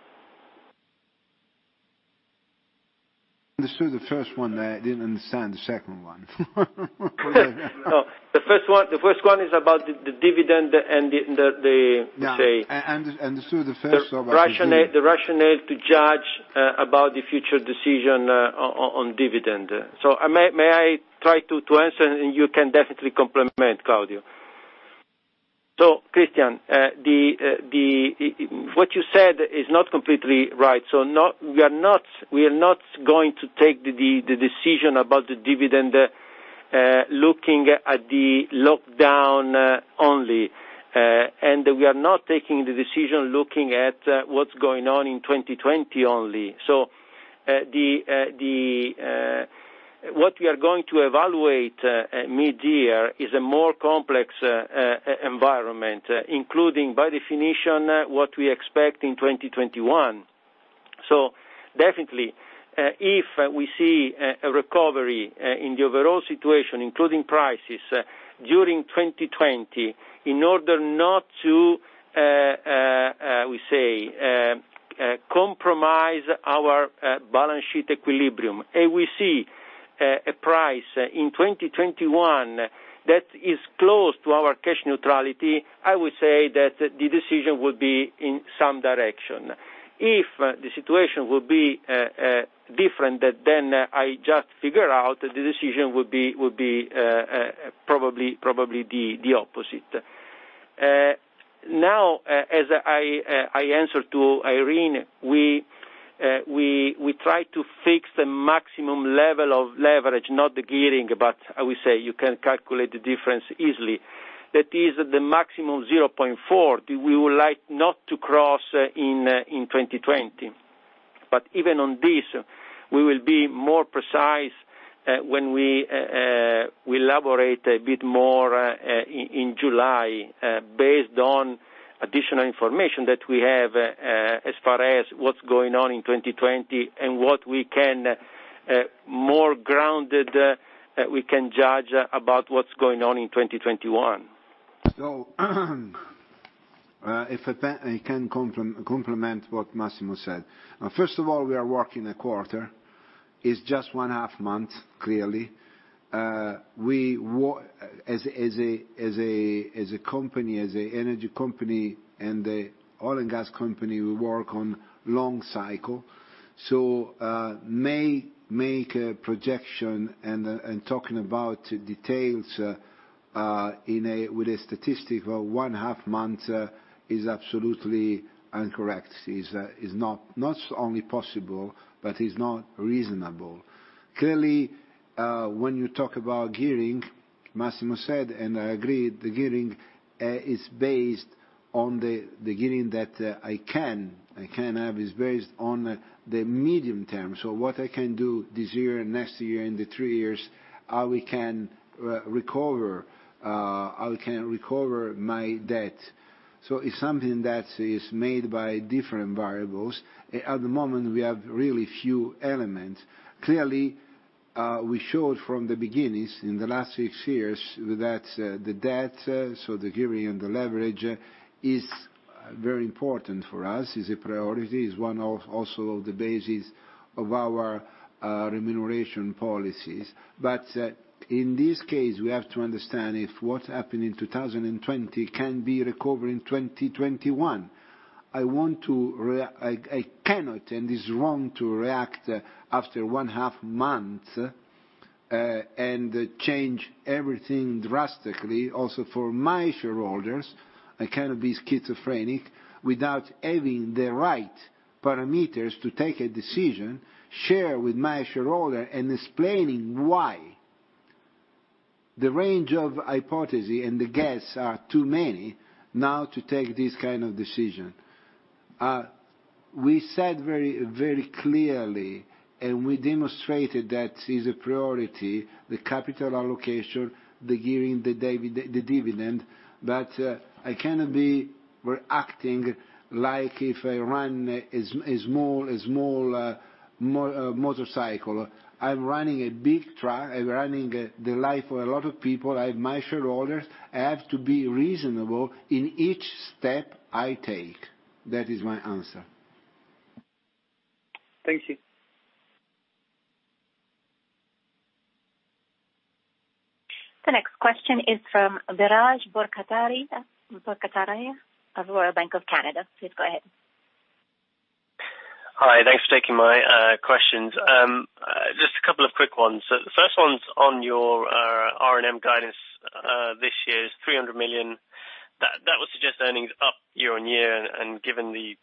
Understood the first one there. I didn't understand the second one. No, the first one is about the dividend. Yeah. I understood. The rationale to judge about the future decision on dividend. May I try to answer, and you can definitely complement, Claudio. Christyan, what you said is not completely right. We are not going to take the decision about the dividend, looking at the lockdown only. We are not taking the decision looking at what's going on in 2020 only. What we are going to evaluate mid-year is a more complex environment, including, by definition, what we expect in 2021. Definitely, if we see a recovery in the overall situation, including prices during 2020, in order not to, we say compromise our balance sheet equilibrium. We see a price in 2021 that is close to our cash neutrality, I would say that the decision would be in some direction. If the situation will be different, I just figure out the decision would be probably the opposite. Now, as I answered to Irene, we try to fix the maximum level of leverage, not the gearing. I would say you can calculate the difference easily. That is the maximum 0.4, we would like not to cross in 2020. Even on this, we will be more precise when we elaborate a bit more in July, based on additional information that we have, as far as what's going on in 2020 and what we can, more grounded, we can judge about what's going on in 2021. If I can complement what Massimo said. First of all, we are working a quarter. It is just one half month, clearly. As a company, as an energy company and an oil and gas company, we work on long cycle. May make a projection and talking about details with a statistic of one half month is absolutely incorrect. It is not only possible, but it is not reasonable. Clearly, when you talk about gearing, Massimo said, and I agree, the gearing is based on the gearing that I can have, is based on the medium term. What I can do this year and next year, in the three years, how we can recover my debt. It's something that is made by different variables. At the moment, we have really few elements. Clearly, we showed from the beginnings in the last six years that the debt, so the gearing and the leverage is very important for us, is a priority, is one of also of the basis of our remuneration policies. In this case, we have to understand if what happened in 2020 can be recovered in 2021. I cannot, and it's wrong to react after one half month, and change everything drastically, also for my shareholders. I cannot be schizophrenic without having the right parameters to take a decision, share with my shareholder, and explaining why. The range of hypotheses and the guess are too many now to take this kind of decision. We said very clearly, and we demonstrated that is a priority, the capital allocation, the gearing, the dividend. I cannot be acting like if I run a small motorcycle. I'm running a big truck. I'm running the life of a lot of people, my shareholders. I have to be reasonable in each step I take. That is my answer. Thank you. The next question is from Biraj Borkhataria of Royal Bank of Canada. Please go ahead. Hi, thanks for taking my questions. Just a couple of quick ones. The first one's on your R&M guidance. This year is 300 million. That would suggest earnings up year-on-year, and given the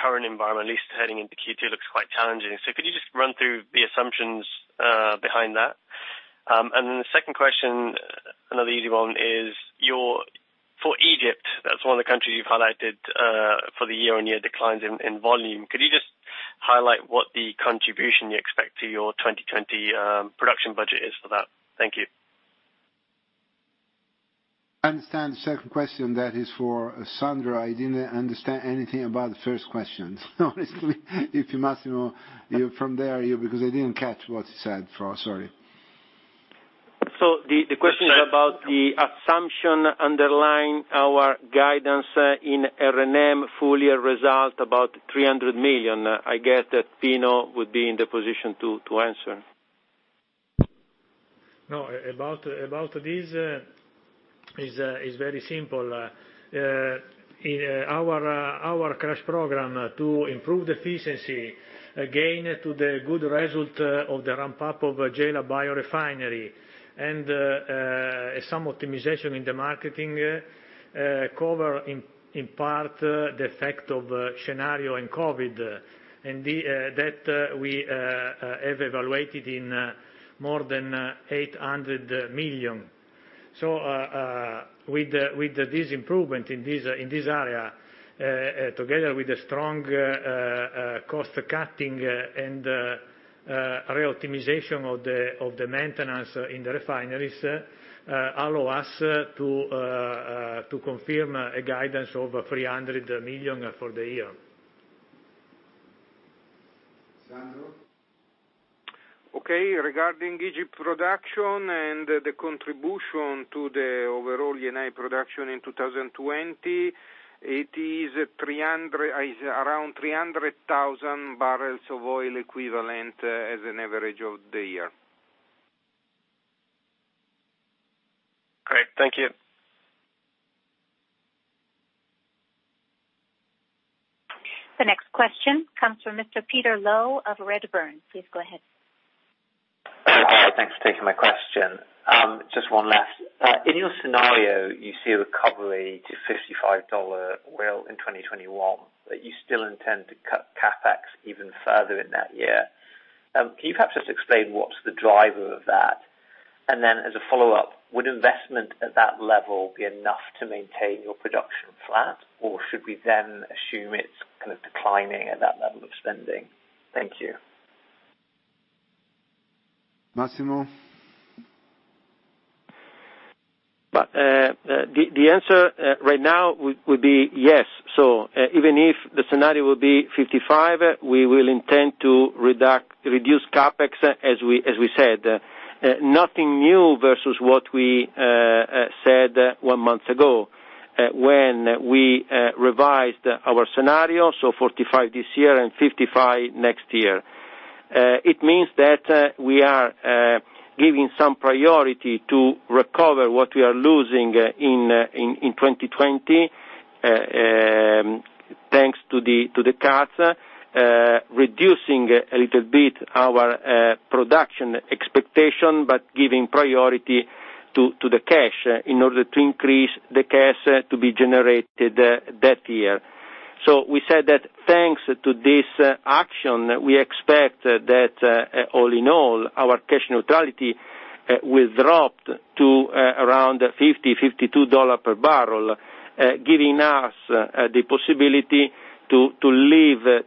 current environment, at least heading into Q2, looks quite challenging. Could you just run through the assumptions behind that? The second question, another easy one, is for Egypt, that's one of the countries you've highlighted, for the year-on-year declines in volume. Could you just highlight what the contribution you expect to your 2020 production budget is for that? Thank you. I understand the second question. That is for Sandro. I didn't understand anything about the first question, honestly. If you, Massimo, from there, because I didn't catch what he said. Sorry. The question is about the assumption underlying our guidance in R&M full year result, about 300 million. I guess that Pino would be in the position to answer. No, about this is very simple. Our crash program to improve the efficiency, again, to the good result of the ramp-up of Gela Biorefinery and some optimization in the marketing cover in part the effect of scenario and COVID-19, and that we have evaluated in more than 800 million. With this improvement in this area, together with the strong cost cutting and re-optimization of the maintenance in the refineries, allow us to confirm a guidance of 300 million for the year. Sandro? Okay. Regarding Egypt production and the contribution to the overall Eni production in 2020, it is around 300,000 bbl of oil equivalent as an average of the year. Great. Thank you. The next question comes from Mr. Peter Low of Redburn. Please go ahead. Thanks for taking my question. Just one last. In your scenario, you see a recovery to $55 oil in 2021, but you still intend to cut CapEx even further in that year. Can you perhaps just explain what's the driver of that? As a follow-up, would investment at that level be enough to maintain your production flat, or should we then assume it's kind of declining at that level of spending? Thank you. Massimo. The answer right now would be yes. Even if the scenario will be $55, we will intend to reduce CapEx as we said. Nothing new versus what we said one month ago, when we revised our scenario, $45 this year and $55 next year. It means that we are giving some priority to recover what we are losing in 2020, thanks to the cuts, reducing a little bit our production expectation, but giving priority to the cash in order to increase the cash to be generated that year. We said that thanks to this action, we expect that all in all, our cash neutrality will drop to around $50, $52 per bbl, giving us the possibility to live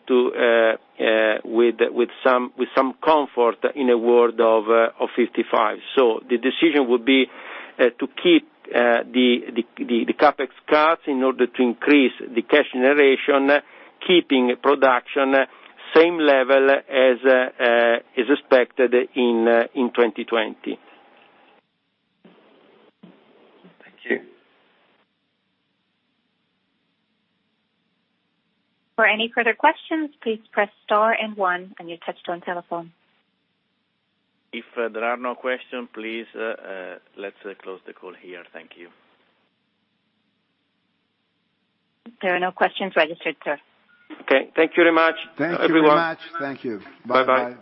with some comfort in a world of $55. The decision will be to keep the CapEx cuts in order to increase the cash generation, keeping production same level as expected in 2020. Thank you. For any further questions, please press star and one on your touch-tone telephone. If there are no questions, please let's close the call here. Thank you. There are no questions registered, sir. Okay. Thank you very much, everyone. Thank you very much. Thank you. Bye-bye.